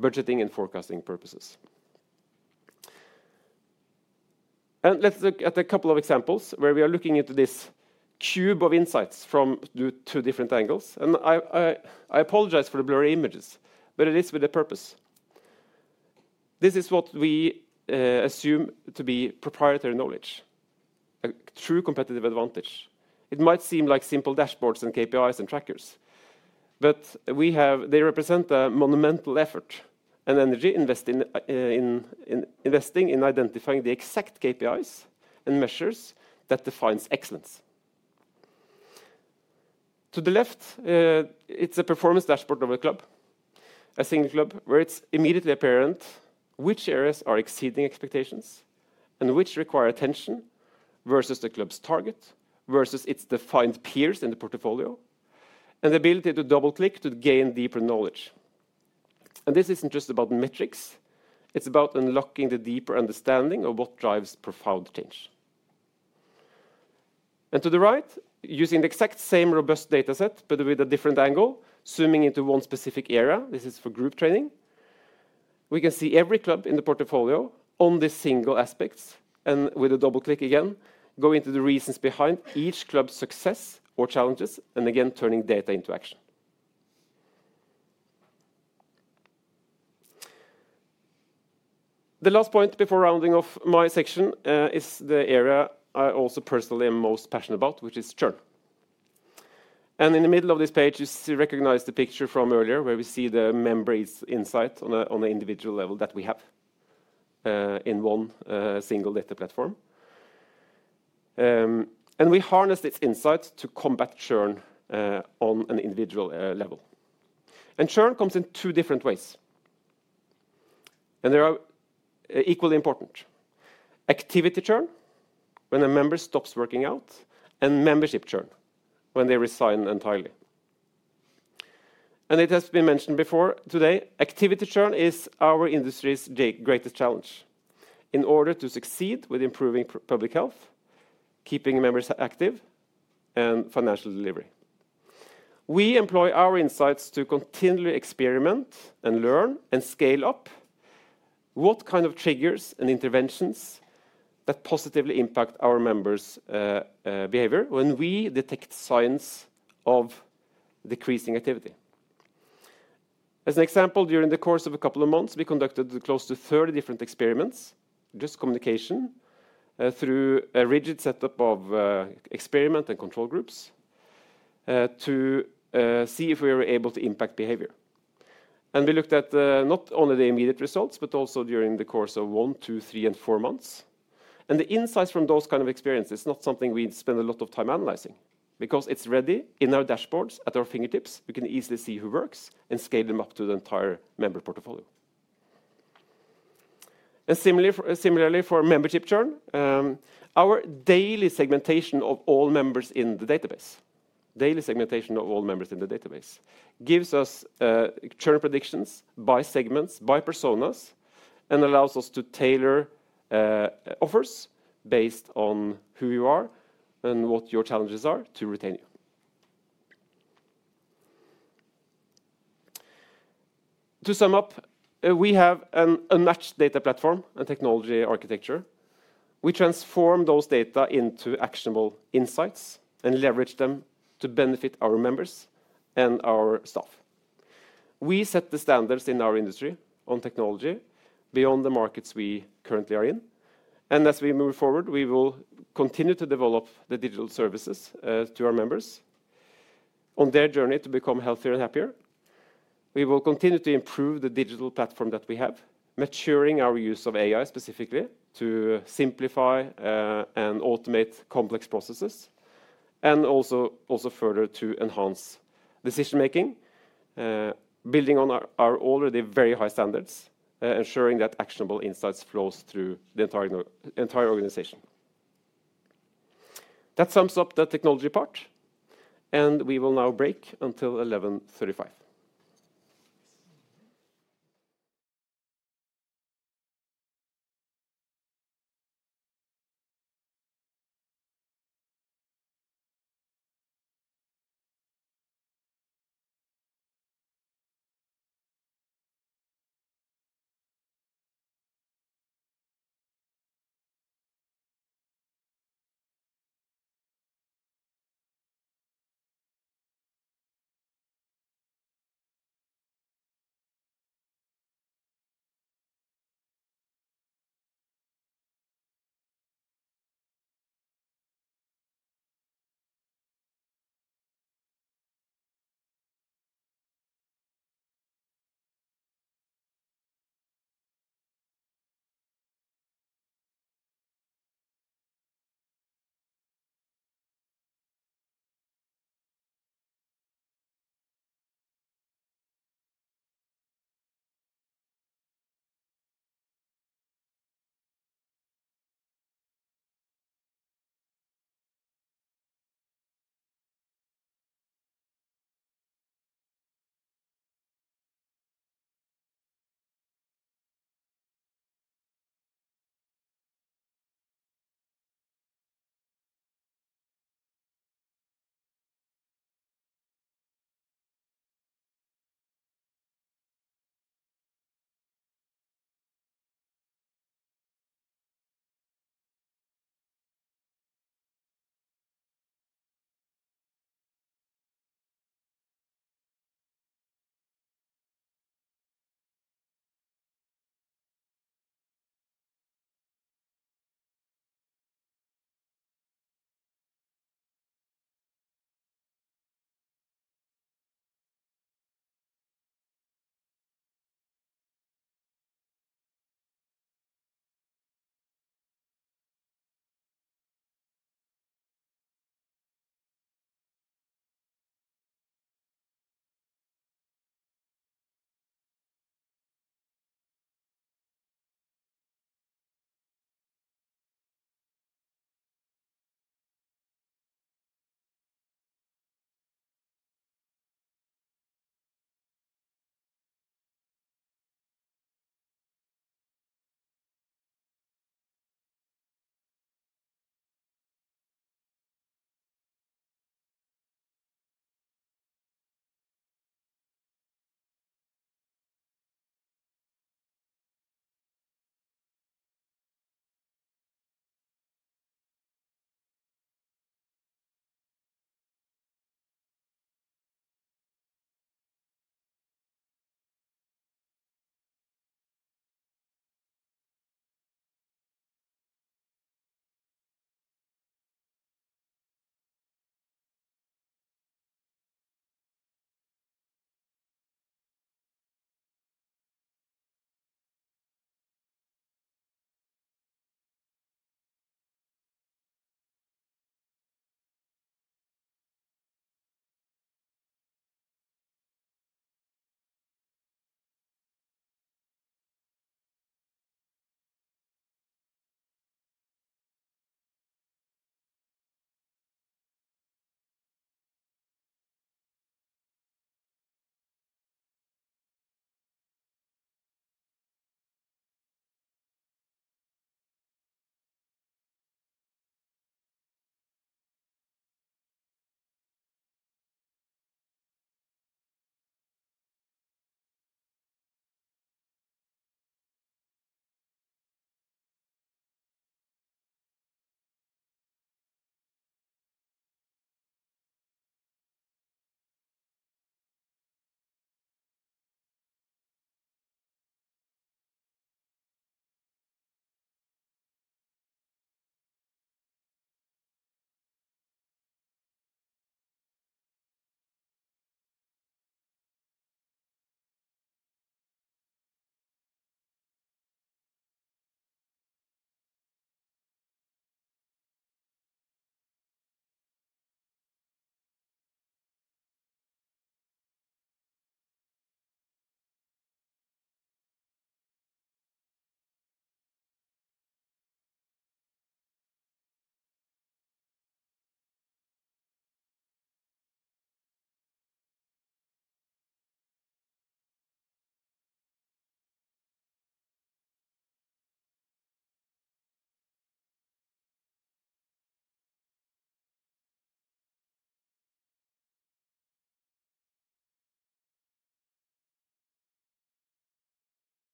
budgeting and forecasting purposes. Let's look at a couple of examples where we are looking into this cube of insights from two different angles. I apologize for the blurry images, but it is with a purpose. This is what we assume to be proprietary knowledge, a true competitive advantage. It might seem like simple dashboards and KPIs and trackers, but they represent a monumental effort and energy investing in identifying the exact KPIs and measures that define excellence. To the left, it's a performance dashboard of a club, a single club, where it's immediately apparent which areas are exceeding expectations and which require attention versus the club's target versus its defined peers in the portfolio, and the ability to double-click to gain deeper knowledge. This isn't just about metrics. It's about unlocking the deeper understanding of what drives profound change. To the right, using the exact same robust data set, but with a different angle, zooming into one specific area, this is for group training, we can see every club in the portfolio on these single aspects and with a double-click again, going to the reasons behind each club's success or challenges and again, turning data into action. The last point before rounding off my section is the area I also personally am most passionate about, which is churn. In the middle of this page, you recognize the picture from earlier where we see the member insight on an individual level that we have in one single data platform. We harness this insight to combat churn on an individual level. Churn comes in two different ways. They are equally important: activity churn when a member stops working out and membership churn when they resign entirely. It has been mentioned before today, activity churn is our industry's greatest challenge in order to succeed with improving public health, keeping members active, and financial delivery. We employ our insights to continually experiment and learn and scale up what kind of triggers and interventions that positively impact our members' behavior when we detect signs of decreasing activity. As an example, during the course of a couple of months, we conducted close to 30 different experiments, just communication, through a rigid setup of experiment and control groups to see if we were able to impact behavior. We looked at not only the immediate results, but also during the course of one, two, three, and four months. The insights from those kinds of experiences are not something we spend a lot of time analyzing because it is ready in our dashboards at our fingertips. We can easily see who works and scale them up to the entire member portfolio. Similarly, for membership churn, our daily segmentation of all members in the database gives us churn predictions by segments, by personas, and allows us to tailor offers based on who you are and what your challenges are to retain you. To sum up, we have an unmatched data platform and technology architecture. We transform those data into actionable insights and leverage them to benefit our members and our staff. We set the standards in our industry on technology beyond the markets we currently are in. As we move forward, we will continue to develop the digital services to our members on their journey to become healthier and happier. We will continue to improve the digital platform that we have, maturing our use of AI specifically to simplify and automate complex processes, and also further to enhance decision-making, building on our already very high standards, ensuring that actionable insights flow through the entire organization. That sums up the technology part, and we will now break until 11:35 A.M.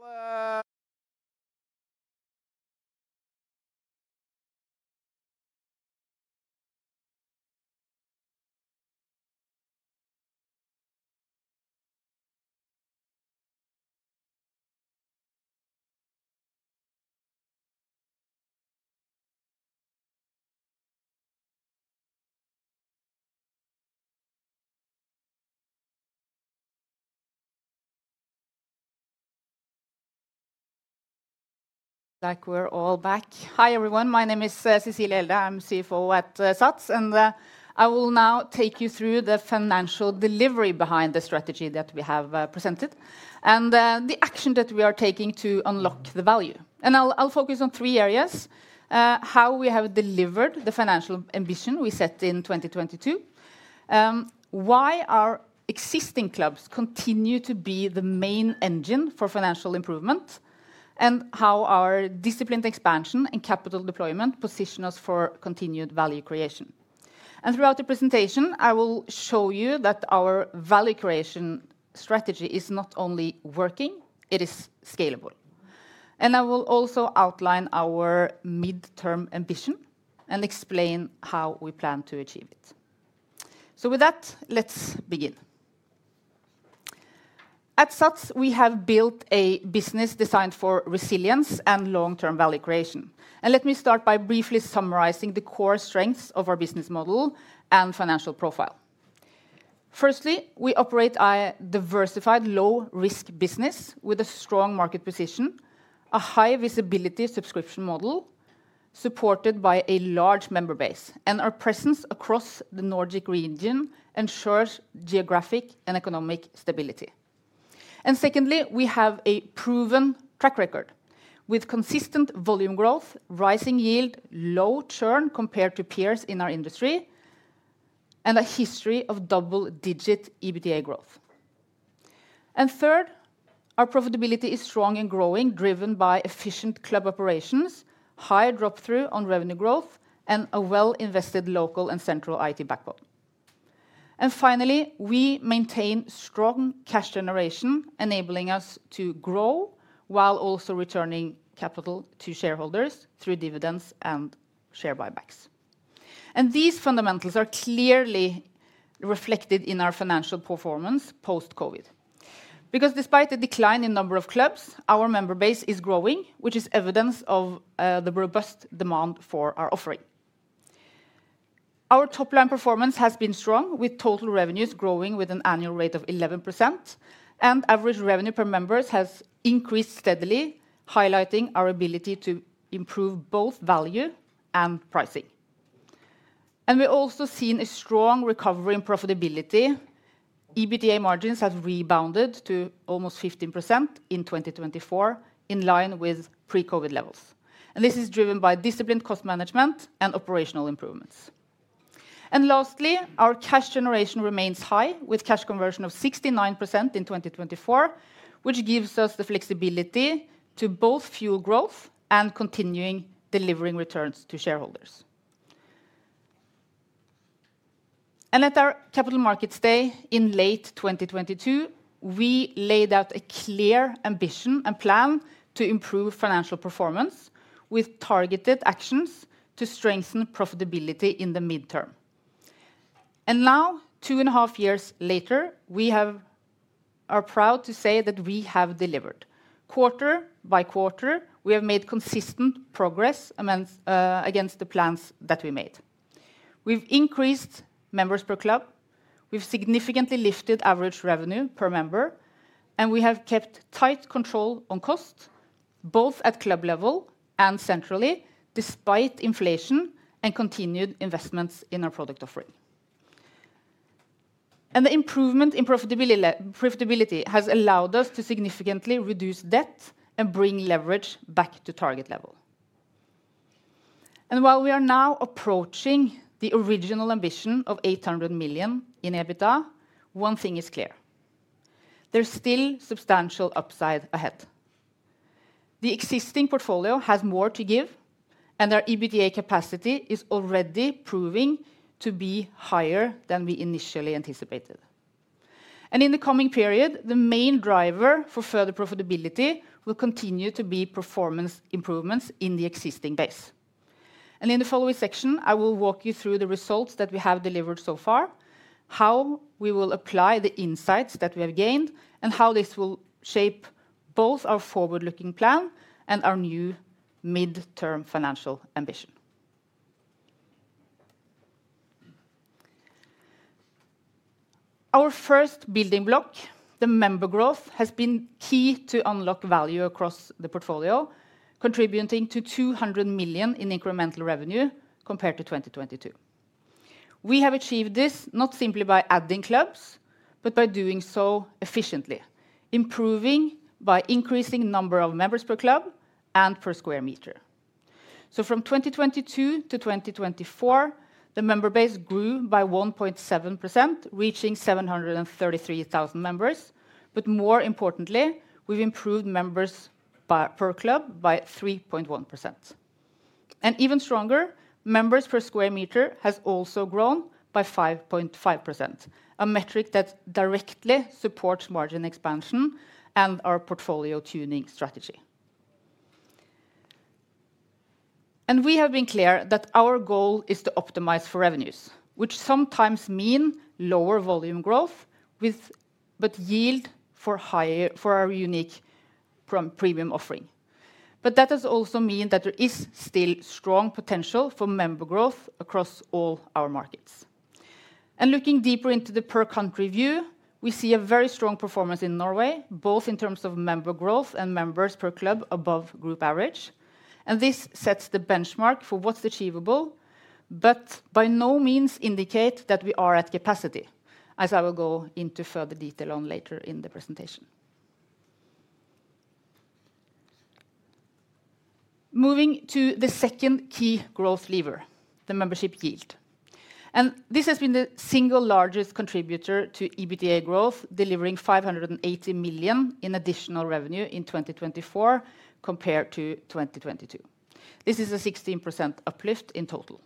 Like we're all back. Hi everyone, my name is Cecilie Elde. I'm CFO at SATS, and I will now take you through the financial delivery behind the strategy that we have presented and the action that we are taking to unlock the value. I'll focus on three areas: how we have delivered the financial ambition we set in 2022, why our existing clubs continue to be the main engine for financial improvement, and how our disciplined expansion and capital deployment position us for continued value creation. Throughout the presentation, I will show you that our value creation strategy is not only working, it is scalable. I will also outline our midterm ambition and explain how we plan to achieve it. With that, let's begin. At SATS, we have built a business designed for resilience and long-term value creation. Let me start by briefly summarizing the core strengths of our business model and financial profile. Firstly, we operate a diversified, low-risk business with a strong market position, a high-visibility subscription model supported by a large member base, and our presence across the Nordic region ensures geographic and economic stability. Secondly, we have a proven track record with consistent volume growth, rising yield, low churn compared to peers in our industry, and a history of double-digit EBITDA growth. Third, our profitability is strong and growing, driven by efficient club operations, high drop-through on revenue growth, and a well-invested local and central IT backbone. Finally, we maintain strong cash generation, enabling us to grow while also returning capital to shareholders through dividends and share buybacks. These fundamentals are clearly reflected in our financial performance post-COVID, because despite the decline in the number of clubs, our member base is growing, which is evidence of the robust demand for our offering. Our top-line performance has been strong, with total revenues growing with an annual rate of 11%, and average revenue per member has increased steadily, highlighting our ability to improve both value and pricing. We have also seen a strong recovery in profitability. EBITDA margins have rebounded to almost 15% in 2024, in line with pre-COVID levels. This is driven by disciplined cost management and operational improvements. Lastly, our cash generation remains high, with cash conversion of 69% in 2024, which gives us the flexibility to both fuel growth and continue delivering returns to shareholders. At our capital markets day in late 2022, we laid out a clear ambition and plan to improve financial performance with targeted actions to strengthen profitability in the midterm. Now, two and a half years later, we are proud to say that we have delivered. Quarter by quarter, we have made consistent progress against the plans that we made. We've increased members per club, we've significantly lifted average revenue per member, and we have kept tight control on cost, both at club level and centrally, despite inflation and continued investments in our product offering. The improvement in profitability has allowed us to significantly reduce debt and bring leverage back to target level. While we are now approaching the original ambition of 800 million in EBITDA, one thing is clear: there is still substantial upside ahead. The existing portfolio has more to give, and our EBITDA capacity is already proving to be higher than we initially anticipated. In the coming period, the main driver for further profitability will continue to be performance improvements in the existing base. In the following section, I will walk you through the results that we have delivered so far, how we will apply the insights that we have gained, and how this will shape both our forward-looking plan and our new midterm financial ambition. Our first building block, the member growth, has been key to unlock value across the portfolio, contributing to 200 million in incremental revenue compared to 2022. We have achieved this not simply by adding clubs, but by doing so efficiently, improving by increasing the number of members per club and per square meter. From 2022 to 2024, the member base grew by 1.7%, reaching 733,000 members. More importantly, we've improved members per club by 3.1%. Even stronger, members per square meter have also grown by 5.5%, a metric that directly supports margin expansion and our portfolio tuning strategy. We have been clear that our goal is to optimize for revenues, which sometimes means lower volume growth, but yield higher for our unique premium offering. That has also meant that there is still strong potential for member growth across all our markets. Looking deeper into the per-country view, we see a very strong performance in Norway, both in terms of member growth and members per club above group average. This sets the benchmark for what is achievable, but by no means indicates that we are at capacity, as I will go into further detail on later in the presentation. Moving to the second key growth lever, the membership yield. This has been the single largest contributor to EBITDA growth, delivering 580 million in additional revenue in 2024 compared to 2022. This is a 16% uplift in total.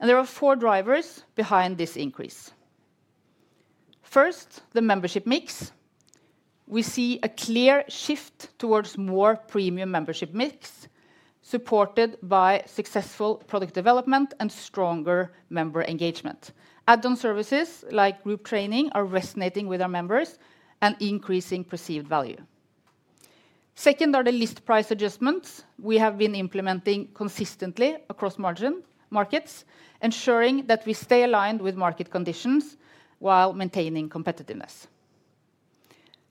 There are four drivers behind this increase. First, the membership mix. We see a clear shift towards a more premium membership mix, supported by successful product development and stronger member engagement. Add-on services like group training are resonating with our members and increasing perceived value. Second are the list price adjustments. We have been implementing these consistently across margin markets, ensuring that we stay aligned with market conditions while maintaining competitiveness.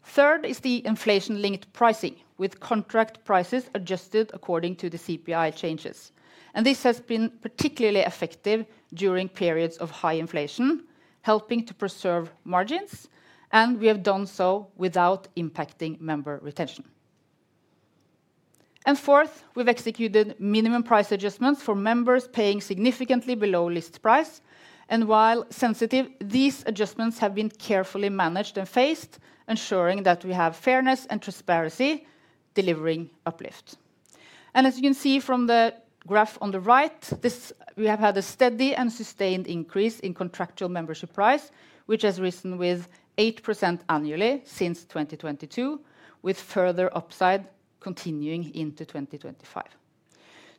Third is the inflation-linked pricing, with contract prices adjusted according to the CPI changes. This has been particularly effective during periods of high inflation, helping to preserve margins, and we have done so without impacting member retention. Fourth, we've executed minimum price adjustments for members paying significantly below list price. While sensitive, these adjustments have been carefully managed and phased, ensuring that we have fairness and transparency delivering uplift. As you can see from the graph on the right, we have had a steady and sustained increase in contractual membership price, which has risen with 8% annually since 2022, with further upside continuing into 2025.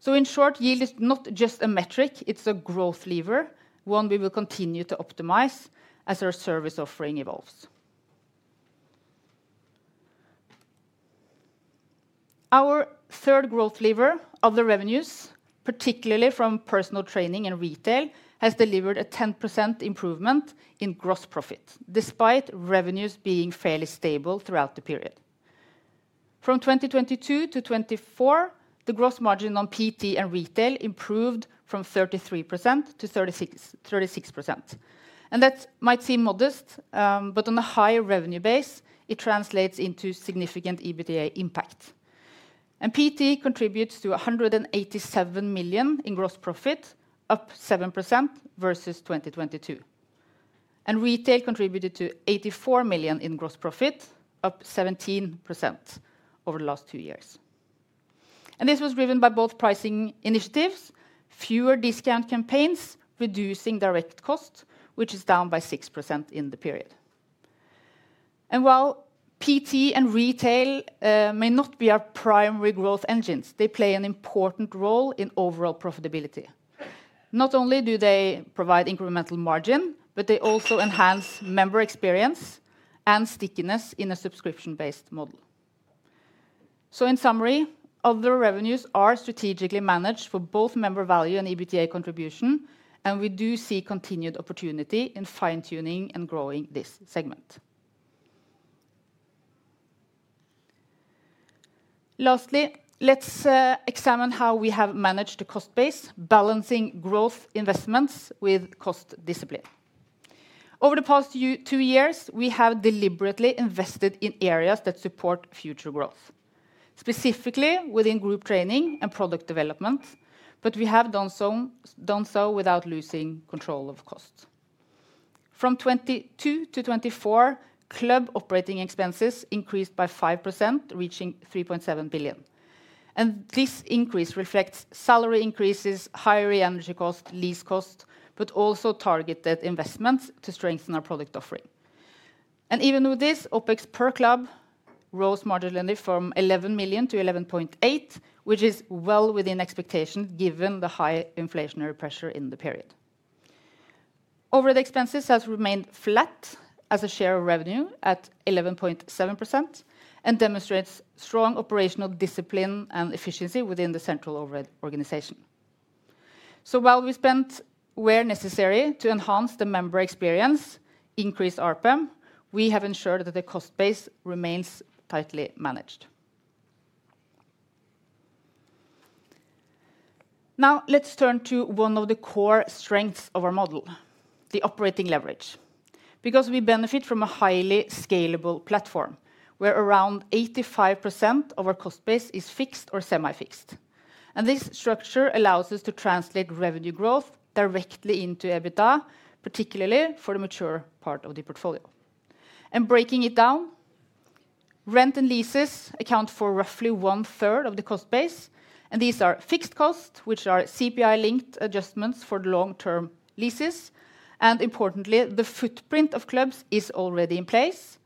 In short, yield is not just a metric; it's a growth lever, one we will continue to optimize as our service offering evolves. Our third growth lever of the revenues, particularly from personal training and retail, has delivered a 10% improvement in gross profit, despite revenues being fairly stable throughout the period. From 2022 to 2024, the gross margin on PT and retail improved from 33%-36%. That might seem modest, but on a higher revenue base, it translates into significant EBITDA impact. PT contributes to 187 million in gross profit, up 7% versus 2022. Retail contributed to 84 million in gross profit, up 17% over the last two years. This was driven by both pricing initiatives, fewer discount campaigns, reducing direct cost, which is down by 6% in the period. While PT and retail may not be our primary growth engines, they play an important role in overall profitability. Not only do they provide incremental margin, but they also enhance member experience and stickiness in a subscription-based model. In summary, other revenues are strategically managed for both member value and EBITDA contribution, and we do see continued opportunity in fine-tuning and growing this segment. Lastly, let's examine how we have managed the cost base, balancing growth investments with cost discipline. Over the past two years, we have deliberately invested in areas that support future growth, specifically within group training and product development, but we have done so without losing control of cost. From 2022 to 2024, club operating expenses increased by 5%, reaching 3.7 billion. This increase reflects salary increases, higher energy costs, lease costs, but also targeted investments to strengthen our product offering. Even with this, OpEx per club rose marginally from 11 million to 11.8 million, which is well within expectation given the high inflationary pressure in the period. Overhead expenses have remained flat as a share of revenue at 11.7% and demonstrate strong operational discipline and efficiency within the central overhead organization. While we spent where necessary to enhance the member experience, increase RPEM, we have ensured that the cost base remains tightly managed. Now let's turn to one of the core strengths of our model, the operating leverage, because we benefit from a highly scalable platform where around 85% of our cost base is fixed or semi-fixed. This structure allows us to translate revenue growth directly into EBITDA, particularly for the mature part of the portfolio. Breaking it down, rent and leases account for roughly one-third of the cost base, and these are fixed costs, which are CPI-linked adjustments for long-term leases. Importantly, the footprint of clubs is already in place,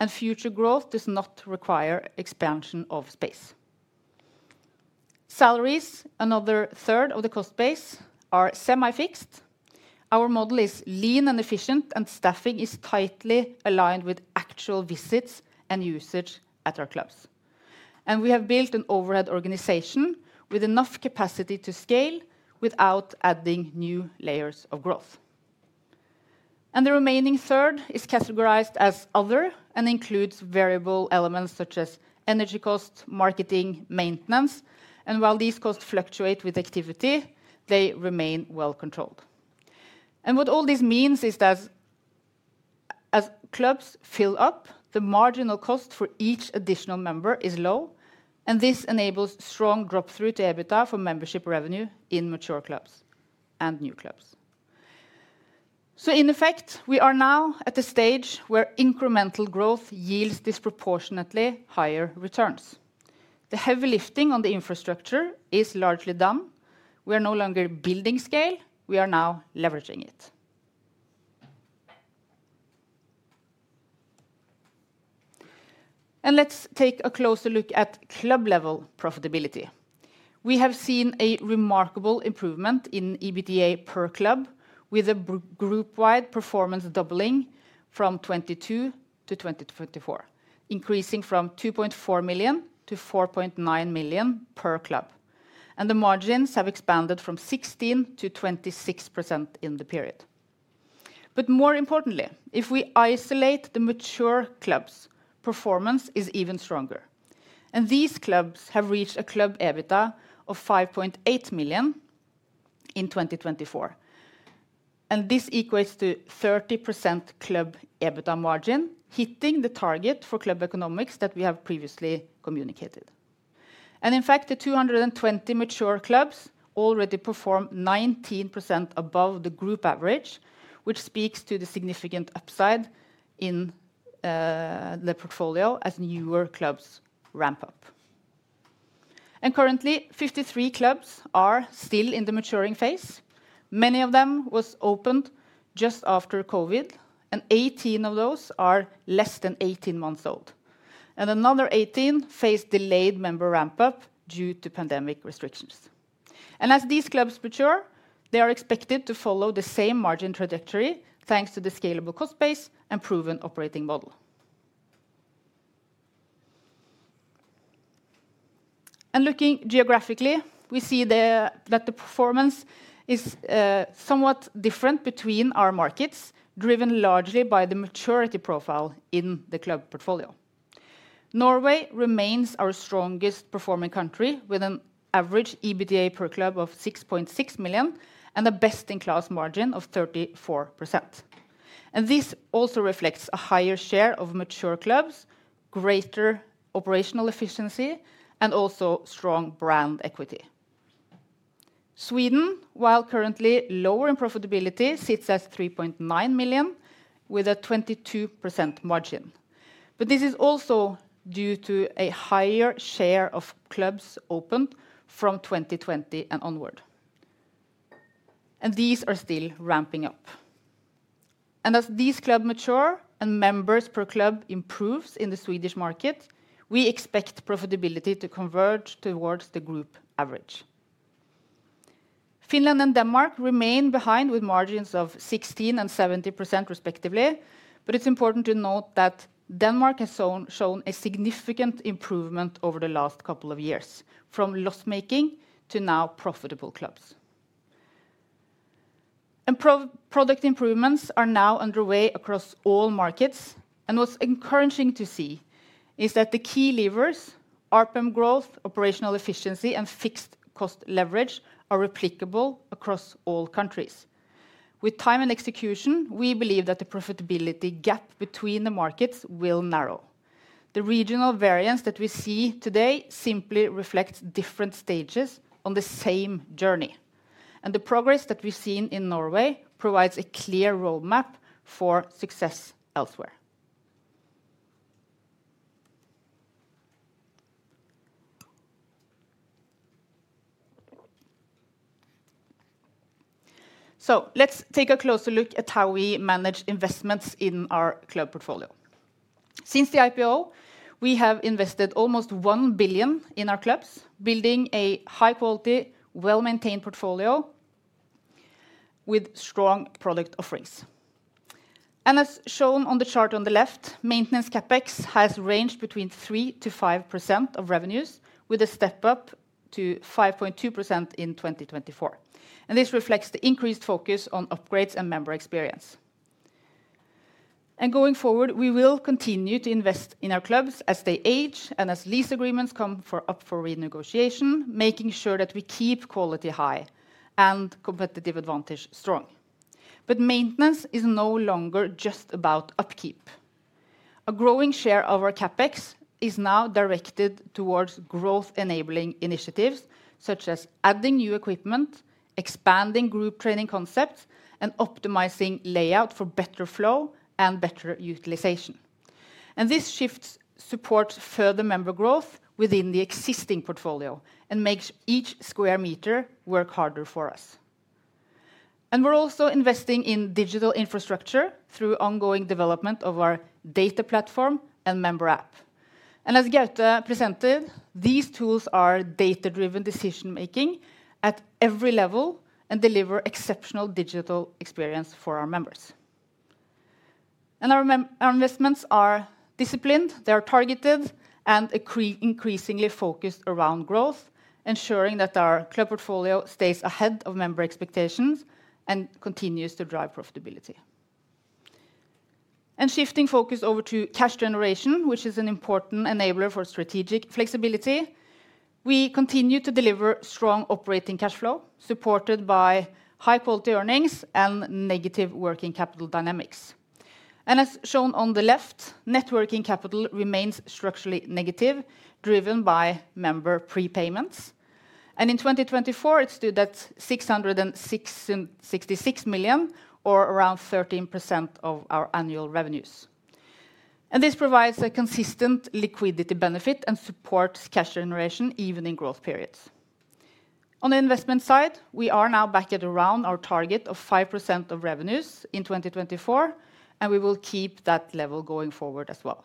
and future growth does not require expansion of space. Salaries, another third of the cost base, are semi-fixed. Our model is lean and efficient, and staffing is tightly aligned with actual visits and usage at our clubs. We have built an overhead organization with enough capacity to scale without adding new layers of growth. The remaining third is categorized as other and includes variable elements such as energy cost, marketing, maintenance. While these costs fluctuate with activity, they remain well controlled. What all this means is that as clubs fill up, the marginal cost for each additional member is low, and this enables strong drop-through to EBITDA for membership revenue in mature clubs and new clubs. In effect, we are now at a stage where incremental growth yields disproportionately higher returns. The heavy lifting on the infrastructure is largely done. We are no longer building scale; we are now leveraging it. Let's take a closer look at club-level profitability. We have seen a remarkable improvement in EBITDA per club, with a group-wide performance doubling from 2022 to 2024, increasing from 2.4 million to 4.9 million per club. The margins have expanded from 16% to 26% in the period. More importantly, if we isolate the mature clubs, performance is even stronger. These clubs have reached a club EBITDA of 5.8 million in 2024. This equates to a 30% club EBITDA margin, hitting the target for club economics that we have previously communicated. In fact, the 220 mature clubs already perform 19% above the group average, which speaks to the significant upside in the portfolio as newer clubs ramp up. Currently, 53 clubs are still in the maturing phase. Many of them were opened just after COVID, and 18 of those are less than 18 months old. Another 18 faced delayed member ramp-up due to pandemic restricCtions. As these clubs mature, they are expected to follow the same margin trajectory thanks to the scalable cost base and proven operating model. Looking geographically, we see that the performance is somewhat different between our markets, driven largely by the maturity profile in the club portfolio. Norway remains our strongest performing country with an average EBITDA per club of 6.6 million and a best-in-class margin of 34%. This also reflects a higher share of mature clubs, greater operational efficiency, and also strong brand equity. Sweden, while currently lower in profitability, sits at 3.9 million with a 22% margin. This is also due to a higher share of clubs opened from 2020 and onward. These are still ramping up. As these clubs mature and members per club improve in the Swedish market, we expect profitability to converge towards the group average. Finland and Denmark remain behind with margins of 16% and 17% respectively, but it is important to note that Denmark has shown a significant improvement over the last couple of years, from loss-making to now profitable clubs. Product improvements are now underway across all markets. What is encouraging to see is that the key levers, RPEM growth, operational efficiency, and fixed cost leverage are replicable across all countries. With time and execution, we believe that the profitability gap between the markets will narrow. The regional variance that we see today simply reflects different stages on the same journey. The progress that we have seen in Norway provides a clear roadmap for success elsewhere. Let us take a closer look at how we manage investments in our club portfolio. Since the IPO, we have invested almost 1 billion in our clubs, building a high-quality, well-maintained portfolio with strong product offerings. As shown on the chart on the left, maintenance CapEx has ranged between 3%-5% of revenues, with a step up to 5.2% in 2024. This reflects the increased focus on upgrades and member experience. Going forward, we will continue to invest in our clubs as they age and as lease agreements come up for renegotiation, making sure that we keep quality high and competitive advantage strong. Maintenance is no longer just about upkeep. A growing share of our CapEx is now directed towards growth-enabling initiatives such as adding new equipment, expanding group training concepts, and optimizing layout for better flow and better utilization. This shift supports further member growth within the existing portfolio and makes each square meter work harder for us. We are also investing in digital infrastructure through ongoing development of our data platform and member app. As Gaute presented, these tools are data-driven decision-making at every level and deliver exceptional digital experience for our members. Our investments are disciplined, they are targeted, and increasingly focused around growth, ensuring that our club portfolio stays ahead of member expectations and continues to drive profitability. Shifting focus over to cash generation, which is an important enabler for strategic flexibility, we continue to deliver strong operating cash flow supported by high-quality earnings and negative working capital dynamics. As shown on the left, net working capital remains structurally negative, driven by member prepayments. In 2024, it stood at 666 million, or around 13% of our annual revenues. This provides a consistent liquidity benefit and supports cash generation even in growth periods. On the investment side, we are now back at around our target of 5% of revenues in 2024, and we will keep that level going forward as well.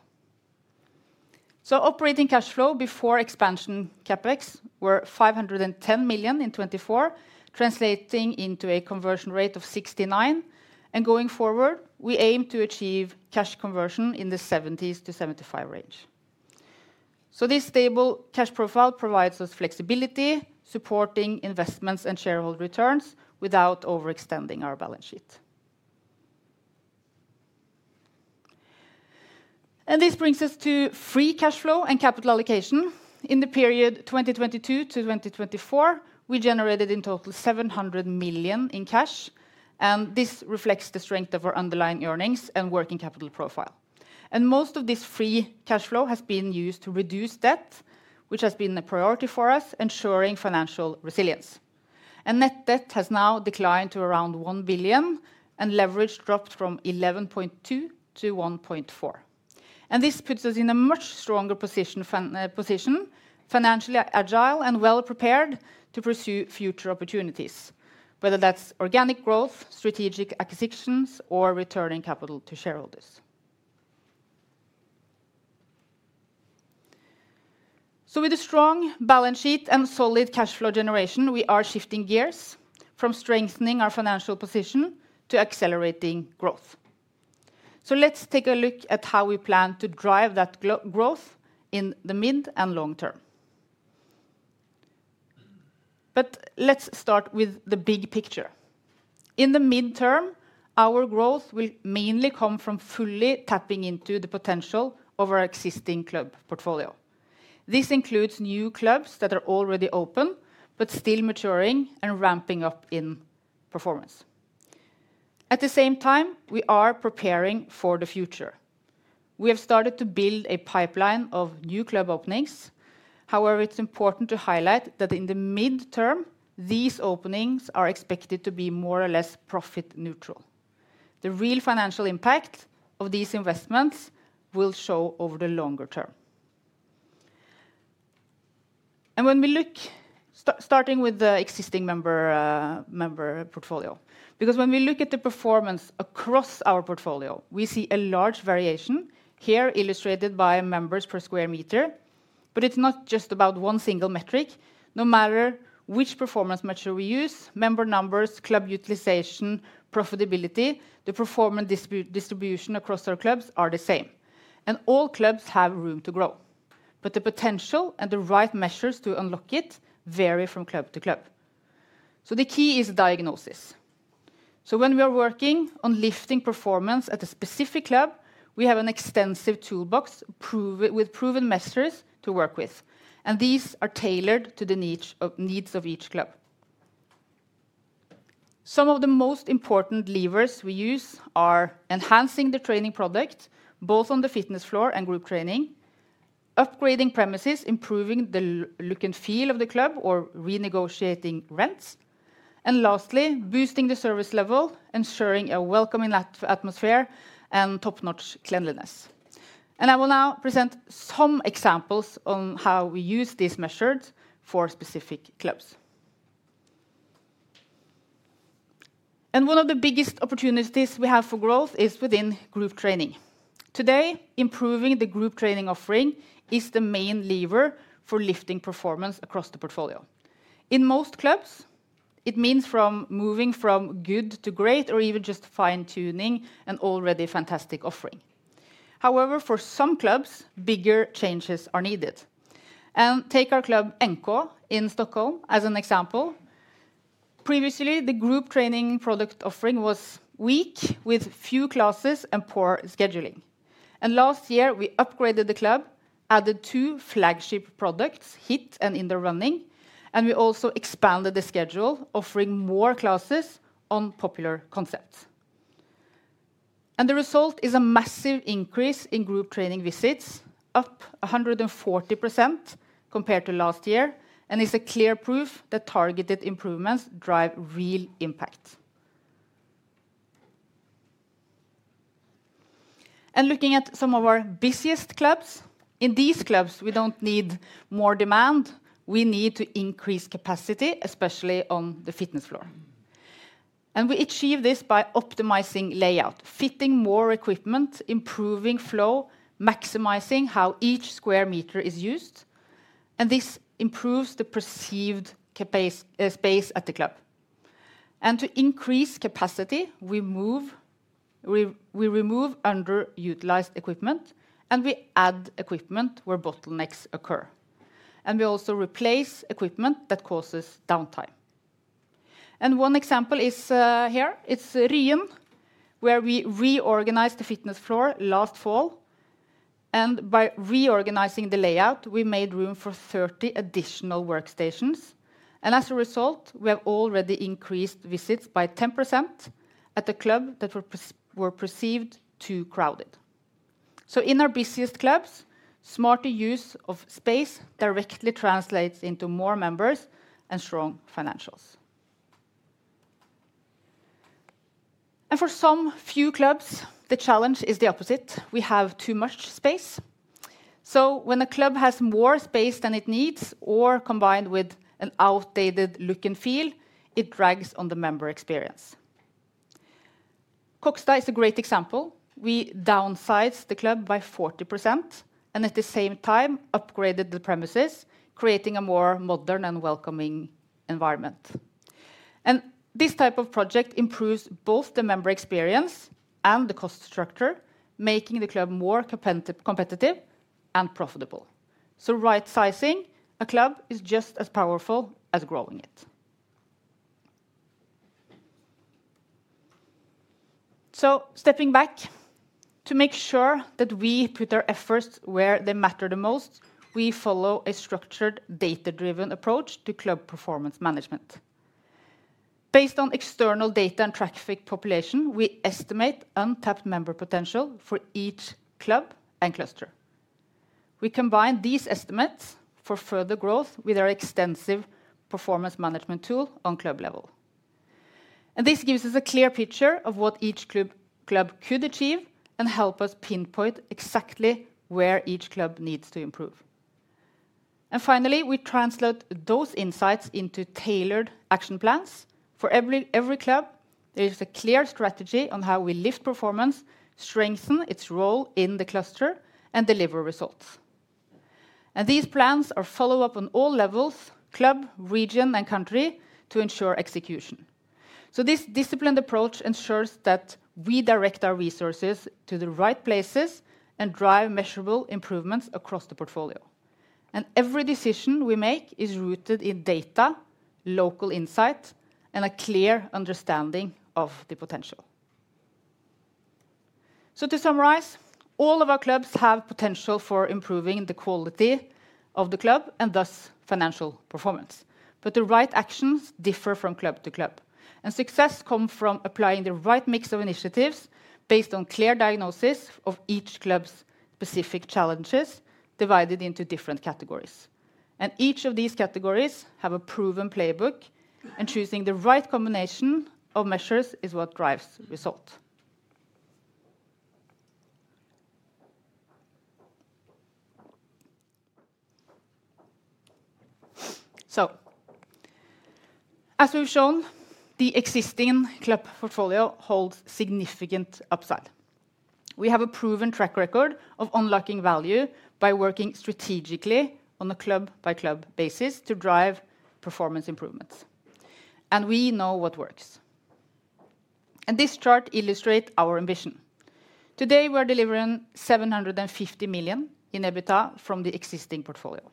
Operating cash flow before expansion CapEx were 510 million in 2024, translating into a conversion rate of 69%. Going forward, we aim to achieve cash conversion in the 70%-75% range. This stable cash profile provides us flexibility, supporting investments and shareholder returns without overextending our balance sheet. This brings us to free cash flow and capital allocation. In the period 2022 to 2024, we generated in total 700 million in cash, and this reflects the strength of our underlying earnings and working capital profile. Most of this free cash flow has been used to reduce debt, which has been a priority for us, ensuring financial resilience. Net debt has now declined to around 1 billion, and leverage dropped from 11.2 to 1.4. This puts us in a much stronger position, financially agile and well-prepared to pursue future opportunities, whether that's organic growth, strategic acquisitions, or returning capital to shareholders. With a strong balance sheet and solid cash flow generation, we are shifting gears from strengthening our financial position to accelerating growth. Let's take a look at how we plan to drive that growth in the mid and long term. Let's start with the big picture. In the midterm, our growth will mainly come from fully tapping into the potential of our existing club portfolio. This includes new clubs that are already open but still maturing and ramping up in performance. At the same time, we are preparing for the future. We have started to build a pipeline of new club openings. However, it's important to highlight that in the midterm, these openings are expected to be more or less profit-neutral. The real financial impact of these investments will show over the longer term. When we look, starting with the existing member portfolio, because when we look at the performance across our portfolio, we see a large variation here illustrated by members per square meter. It's not just about one single metric. No matter which performance metric we use, member numbers, club utilization, profitability, the performance distribution across our clubs are the same. All clubs have room to grow. The potential and the right measures to unlock it vary from club to club. The key is diagnosis. When we are working on lifting performance at a specific club, we have an extensive toolbox with proven methods to work with. These are tailored to the needs of each club. Some of the most important levers we use are enhancing the training product, both on the fitness floor and group training, upgrading premises, improving the look and feel of the club, or renegotiating rents. Lastly, boosting the service level, ensuring a welcoming atmosphere and top-notch cleanliness. I will now present some examples on how we use these measures for specific clubs. One of the biggest opportunities we have for growth is within group training. Today, improving the group training offering is the main lever for lifting performance across the portfolio. In most clubs, it means moving from good to great or even just fine-tuning an already fantastic offering. However, for some clubs, bigger changes are needed. Take our Club NK in Stockholm as an example. Previously, the group training product offering was weak with few classes and poor scheduling. Last year, we upgraded the club, added two flagship products, Heat and Indoor Running, and we also expanded the schedule, offering more classes on popular concepts. The result is a massive increase in group training visits, up 140% compared to last year, and it's clear proof that targeted improvements drive real impact. Looking at some of our busiest clubs, in these clubs, we do not need more demand. We need to increase capacity, especially on the fitness floor. We achieve this by optimizing layout, fitting more equipment, improving flow, maximizing how each square meter is used. This improves the perceived space at the club. To increase capacity, we remove underutilized equipment, and we add equipment where bottlenecks occur. We also replace equipment that causes downtime. One example is here. It's Ryun, where we reorganized the fitness floor last fall. By reorganizing the layout, we made room for 30 additional workstations. As a result, we have already increased visits by 10% at the club that were perceived too crowded. In our busiest clubs, smarter use of space directly translates into more members and strong financials. For some few clubs, the challenge is the opposite. We have too much space. When a club has more space than it needs, or combined with an outdated look and feel, it drags on the member experience. Koksta is a great example. We downsized the club by 40% and at the same time upgraded the premises, creating a more modern and welcoming environment. This type of project improves both the member experience and the cost structure, making the club more competitive and profitable. Right-sizing a club is just as powerful as growing it. Stepping back, to make sure that we put our efforts where they matter the most, we follow a structured, data-driven approach to club performance management. Based on external data and traffic population, we estimate untapped member potential for each club and cluster. We combine these estimates for further growth with our extensive performance management tool on club level. This gives us a clear picture of what each club could achieve and helps us pinpoint exactly where each club needs to improve. Finally, we translate those insights into tailored action plans. For every club, there is a clear strategy on how we lift performance, strengthen its role in the cluster, and deliver results. These plans are followed up on all levels, club, region, and country to ensure execution. This disciplined approach ensures that we direct our resources to the right places and drive measurable improvements across the portfolio. Every decision we make is rooted in data, local insight, and a clear understanding of the potential. To summarize, all of our clubs have potential for improving the quality of the club and thus financial performance. The right actions differ from club to club. Success comes from applying the right mix of initiatives based on clear diagnosis of each club's specific challenges divided into different categories. Each of these categories has a proven playbook, and choosing the right combination of measures is what drives the result. As we have shown, the existing club portfolio holds significant upside. We have a proven track record of unlocking value by working strategically on a club-by-club basis to drive performance improvements. We know what works. This chart illustrates our ambition. Today, we are delivering 750 million in EBITDA from the existing portfolio.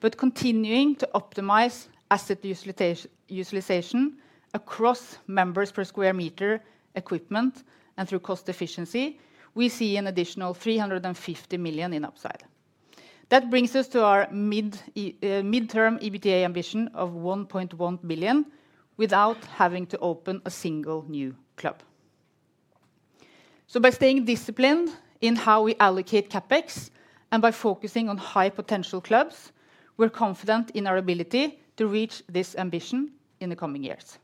By continuing to optimize asset utilization across members per square meter equipment and through cost efficiency, we see an additional 350 million in upside. That brings us to our midterm EBITDA ambition of 1.1 billion without having to open a single new club. By staying disciplined in how we allocate CapEx and by focusing on high-potential clubs, we are confident in our ability to reach this ambition in the coming years.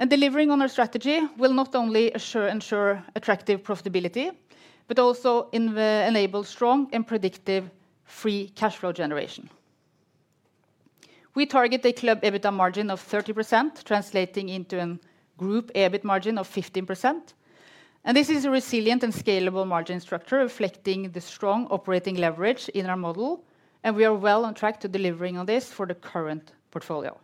Delivering on our strategy will not only ensure attractive profitability, but also enable strong and predictive free cash flow generation. We target a club EBITDA margin of 30%, translating into a group EBIT margin of 15%. This is a resilient and scalable margin structure reflecting the strong operating leverage in our model. We are well on track to delivering on this for the current portfolio.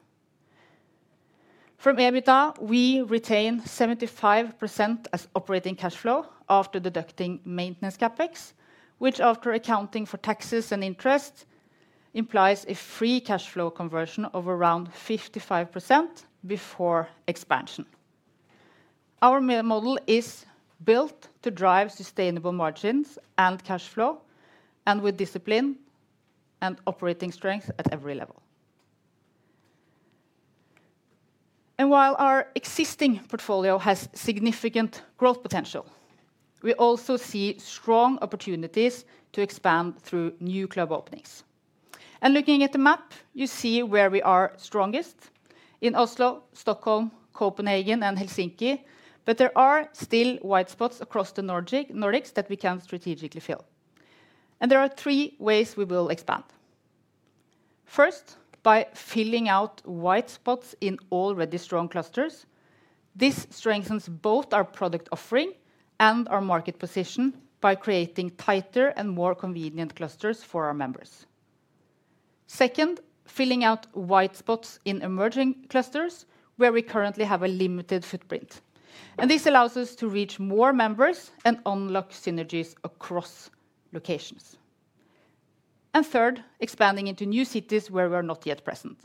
From EBITDA, we retain 75% as operating cash flow after deducting maintenance CapEx, which, after accounting for taxes and interest, implies a free cash flow conversion of around 55% before expansion. Our model is built to drive sustainable margins and cash flow, with discipline and operating strength at every level. While our existing portfolio has significant growth potential, we also see strong opportunities to expand through new club openings. Looking at the map, you see where we are strongest in Oslo, Stockholm, Copenhagen, and Helsinki, but there are still white spots across the Nordics that we can strategically fill. There are three ways we will expand. First, by filling out white spots in already strong clusters. This strengthens both our product offering and our market position by creating tighter and more convenient clusters for our members. Second, filling out white spots in emerging clusters where we currently have a limited footprint. This allows us to reach more members and unlock synergies across locations. Third, expanding into new cities where we are not yet present.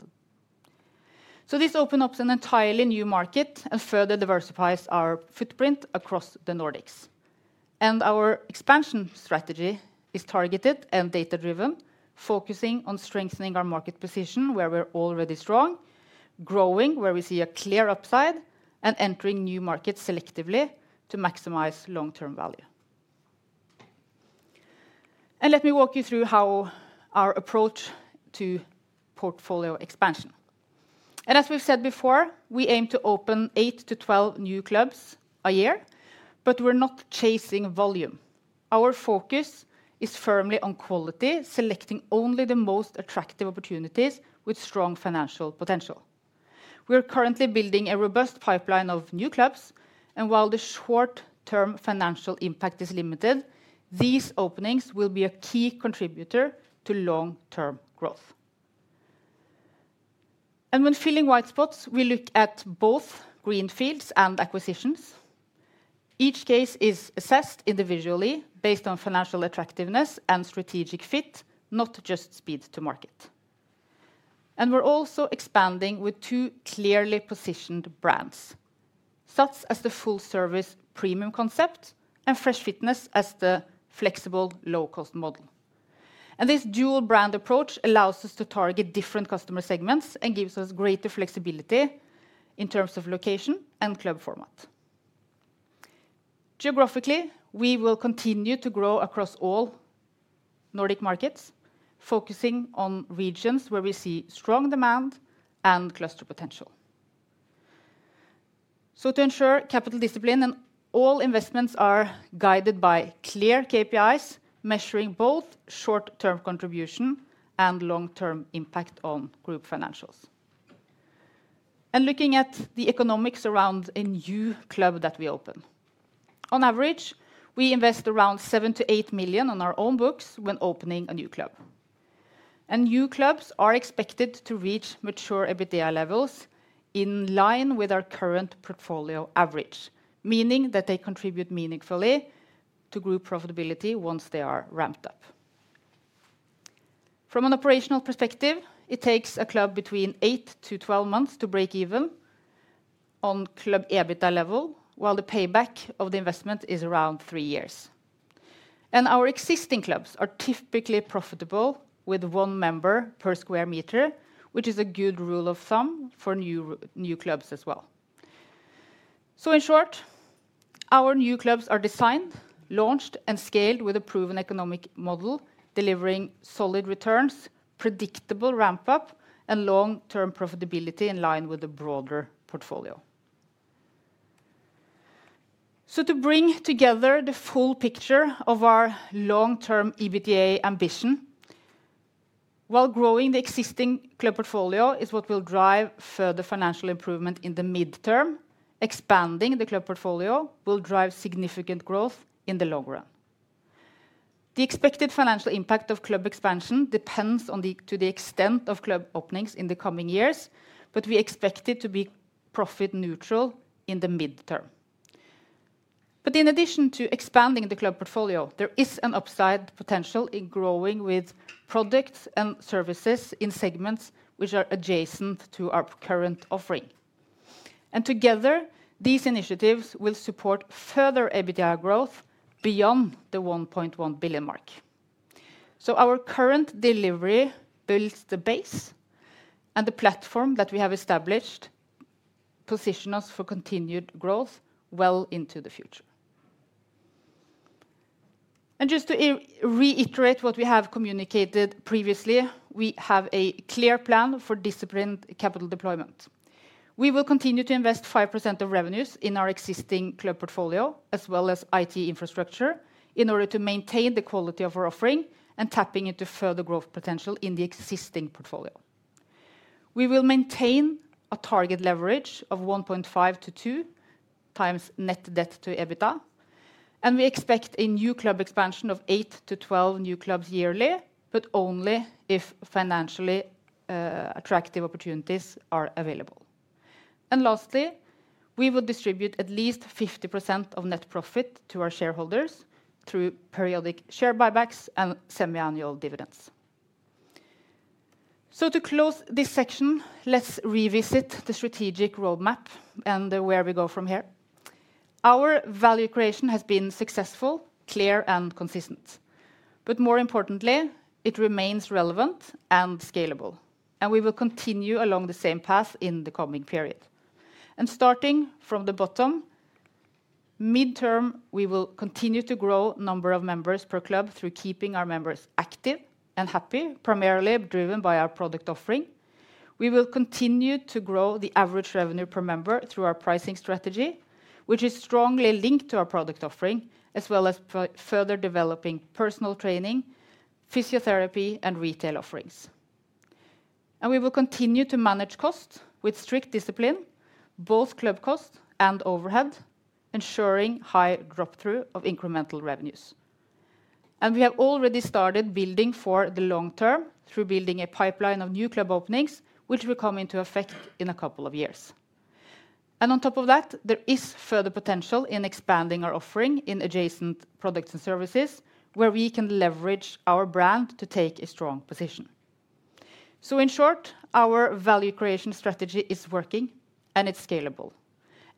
This opens up an entirely new market and further diversifies our footprint across the Nordics. Our expansion strategy is targeted and data-driven, focusing on strengthening our market position where we're already strong, growing where we see a clear upside, and entering new markets selectively to maximize long-term value. Let me walk you through our approach to portfolio expansion. As we've said before, we aim to open eight to 12 new clubs a year, but we're not chasing volume. Our focus is firmly on quality, selecting only the most attractive opportunities with strong financial potential. We are currently building a robust pipeline of new clubs, and while the short-term financial impact is limited, these openings will be a key contributor to long-term growth. When filling white spots, we look at both greenfields and acquisitions. Each case is assessed individually based on financial attractiveness and strategic fit, not just speed to market. We are also expanding with two clearly positioned brands, such as the full-service premium concept and Fresh Fitness as the flexible low-cost model. This dual-brand approach allows us to target different customer segments and gives us greater flexibility in terms of location and club format. Geographically, we will continue to grow across all Nordic markets, focusing on regions where we see strong demand and cluster potential. To ensure capital discipline and all investments are guided by clear KPIs measuring both short-term contribution and long-term impact on group financials. Looking at the economics around a new club that we open, on average, we invest around 7 million-8 million on our own books when opening a new club. New clubs are expected to reach mature EBITDA levels in line with our current portfolio average, meaning that they contribute meaningfully to group profitability once they are ramped up. From an operational perspective, it takes a club between 8 months-12 months to break even on club EBITDA level, while the payback of the investment is around three years. Our existing clubs are typically profitable with one member per square meter, which is a good rule of thumb for new clubs as well. Our new clubs are designed, launched, and scaled with a proven economic model, delivering solid returns, predictable ramp-up, and long-term profitability in line with a broader portfolio. To bring together the full picture of our long-term EBITDA ambition, while growing the existing club portfolio is what will drive further financial improvement in the midterm, expanding the club portfolio will drive significant growth in the long run. The expected financial impact of club expansion depends on the extent of club openings in the coming years, but we expect it to be profit-neutral in the midterm. In addition to expanding the club portfolio, there is an upside potential in growing with products and services in segments which are adjacent to our current offering. Together, these initiatives will support further EBITDA growth beyond the 1.1 billion mark. Our current delivery builds the base and the platform that we have established, positioning us for continued growth well into the future. Just to reiterate what we have communicated previously, we have a clear plan for disciplined capital deployment. We will continue to invest 5% of revenues in our existing club portfolio, as well as IT infrastructure, in order to maintain the quality of our offering and tap into further growth potential in the existing portfolio. We will maintain a target leverage of 1.5x-2x net debt to EBITDA. We expect a new club expansion of 8-12 new clubs yearly, but only if financially attractive opportunities are available. Lastly, we will distribute at least 50% of net profit to our shareholders through periodic share buybacks and semi-annual dividends. To close this section, let's revisit the strategic roadmap and where we go from here. Our value creation has been successful, clear, and consistent. More importantly, it remains relevant and scalable, and we will continue along the same path in the coming period. Starting from the bottom, midterm, we will continue to grow the number of members per club through keeping our members active and happy, primarily driven by our product offering. We will continue to grow the average revenue per member through our pricing strategy, which is strongly linked to our product offering, as well as further developing personal training, physiotherapy, and retail offerings. We will continue to manage costs with strict discipline, both club costs and overhead, ensuring high growth through incremental revenues. We have already started building for the long term through building a pipeline of new club openings, which will come into effect in a couple of years. On top of that, there is further potential in expanding our offering in adjacent products and services where we can leverage our brand to take a strong position. In short, our value creation strategy is working and it is scalable.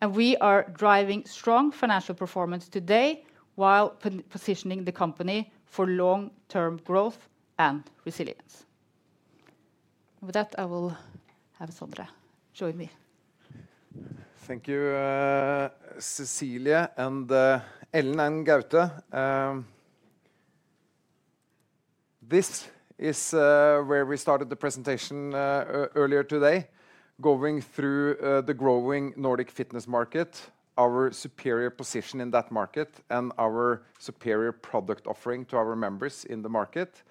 We are driving strong financial performance today while positioning the company for long-term growth and resilience. With that, I will have Sondre join me. Thank you, Cecilie and Ellen and Gaute. This is where we started the presentation earlier today, going through the growing Nordic fitness market, our superior position in that market, and our superior product offering to our members in the market.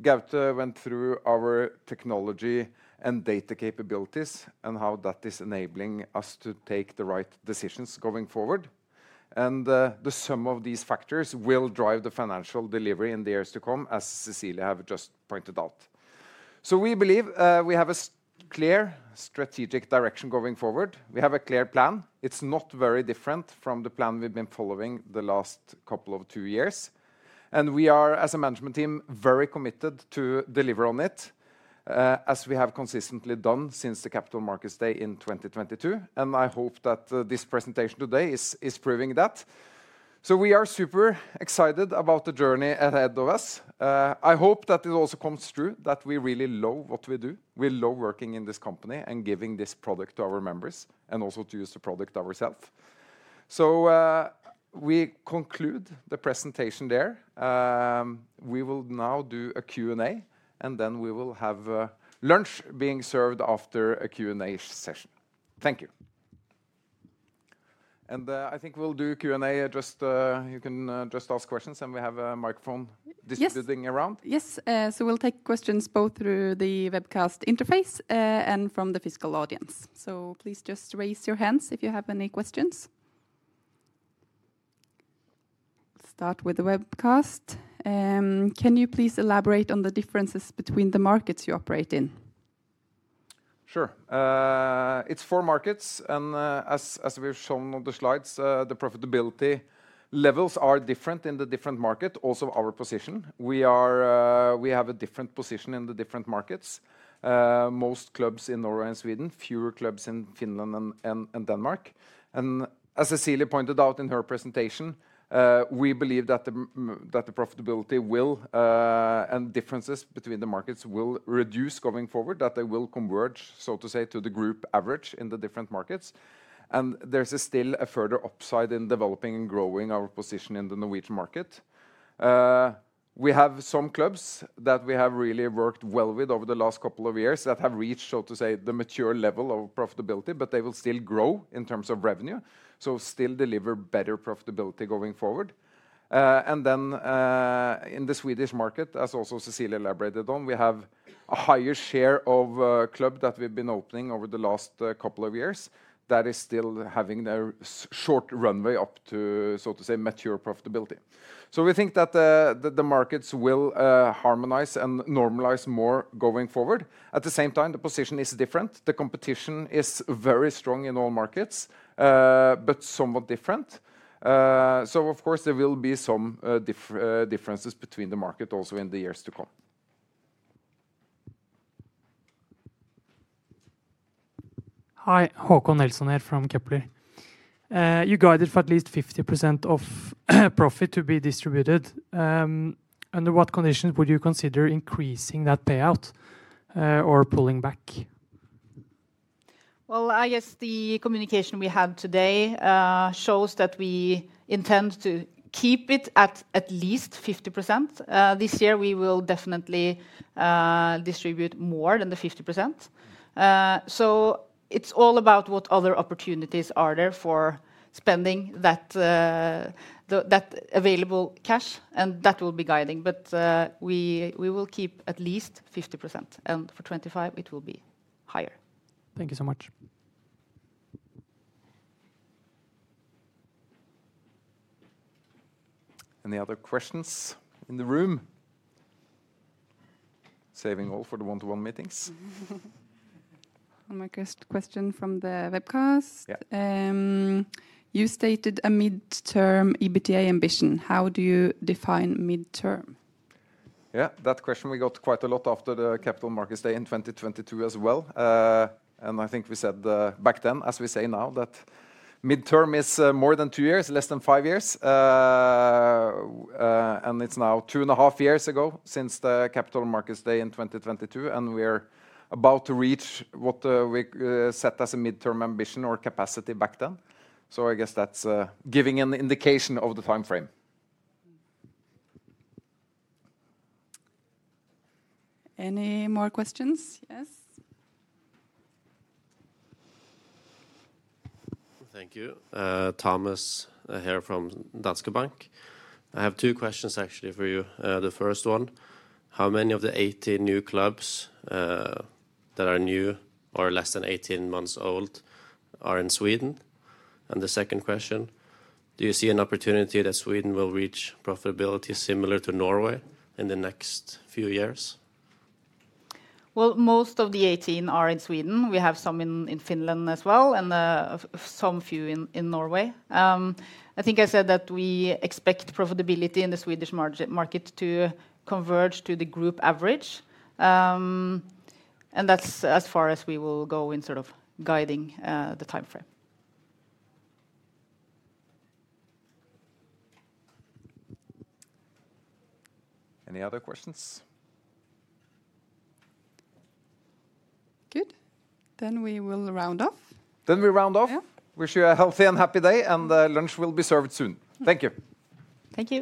Gaute went through our technology and data capabilities and how that is enabling us to take the right decisions going forward. The sum of these factors will drive the financial delivery in the years to come, as Cecilie has just pointed out. We believe we have a clear strategic direction going forward. We have a clear plan. It's not very different from the plan we've been following the last couple of two years. We are, as a management team, very committed to deliver on it, as we have consistently done since the capital markets day in 2022. I hope that this presentation today is proving that. We are super excited about the journey ahead of us. I hope that it also comes true that we really love what we do. We love working in this company and giving this product to our members and also to use the product ourselves. We conclude the presentation there. We will now do a Q&A, and then we will have lunch being served after a Q&A session. Thank you. I think we will do Q&A. You can just ask questions, and we have a microphone distributing around. Yes. We will take questions both through the webcast interface and from the physical audience. Please just raise your hands if you have any questions. Start with the webcast. Can you please elaborate on the differences between the markets you operate in? Sure. It is four markets. As we have shown on the slides, the profitability levels are different in the different markets, also our position. We have a different position in the different markets. Most clubs in Norway and Sweden, fewer clubs in Finland and Denmark. As Cecilie pointed out in her presentation, we believe that the profitability will and differences between the markets will reduce going forward, that they will converge, so to say, to the group average in the different markets. There is still a further upside in developing and growing our position in the Norwegian market. We have some clubs that we have really worked well with over the last couple of years that have reached, so to say, the mature level of profitability, but they will still grow in terms of revenue, so still deliver better profitability going forward. In the Swedish market, as also Cecilie elaborated on, we have a higher share of clubs that we've been opening over the last couple of years that is still having a short runway up to, so to say, mature profitability. We think that the markets will harmonize and normalize more going forward. At the same time, the position is different. The competition is very strong in all markets, but somewhat different. Of course, there will be some differences between the markets also in the haloto come. Hi, Håkon Nelson here from Kepler. You guided for at least 50% of profit to be distributed. Under what conditions would you consider increasing that payout or pulling back? I guess the communication we had today shows that we intend to keep it at at least 50%. This year, we will definitely distribute more than the 50%. It is all about what other opportunities are there for spending that available cash, and that will be guiding. We will keep at least 50%, and for 2025, it will be higher. Thank you so much. Any other questions in the room? Saving all for the one-to-one meetings. My question from the webcast. You stated a midterm EBITDA ambition. How do you define midterm? Yeah, that question we got quite a lot after the capital markets day in 2022 as well. I think we said back then, as we say now, that midterm is more than two years, less than five years. It is now two and a half years ago since the capital markets day in 2022, and we are about to reach what we set as a midterm ambition or capacity back then. I guess that is giving an indication of the time frame. Any more questions? Yes. Thank you. Thomas here from Danske Bank. I have two questions actually for you. The first one, how many of the 18 new clubs that are new or less than 18 months old are in Sweden? The second question, do you see an opportunity that Sweden will reach profitability similar to Norway in the next few years? Most of the 18 are in Sweden. We have some in Finland as well and a few in Norway. I think I said that we expect profitability in the Swedish market to converge to the group average. That is as far as we will go in sort of guiding the time frame. Any other questions? Good. Then we will round off. Wish you a healthy and happy day, and lunch will be served soon. Thank you. Thank you.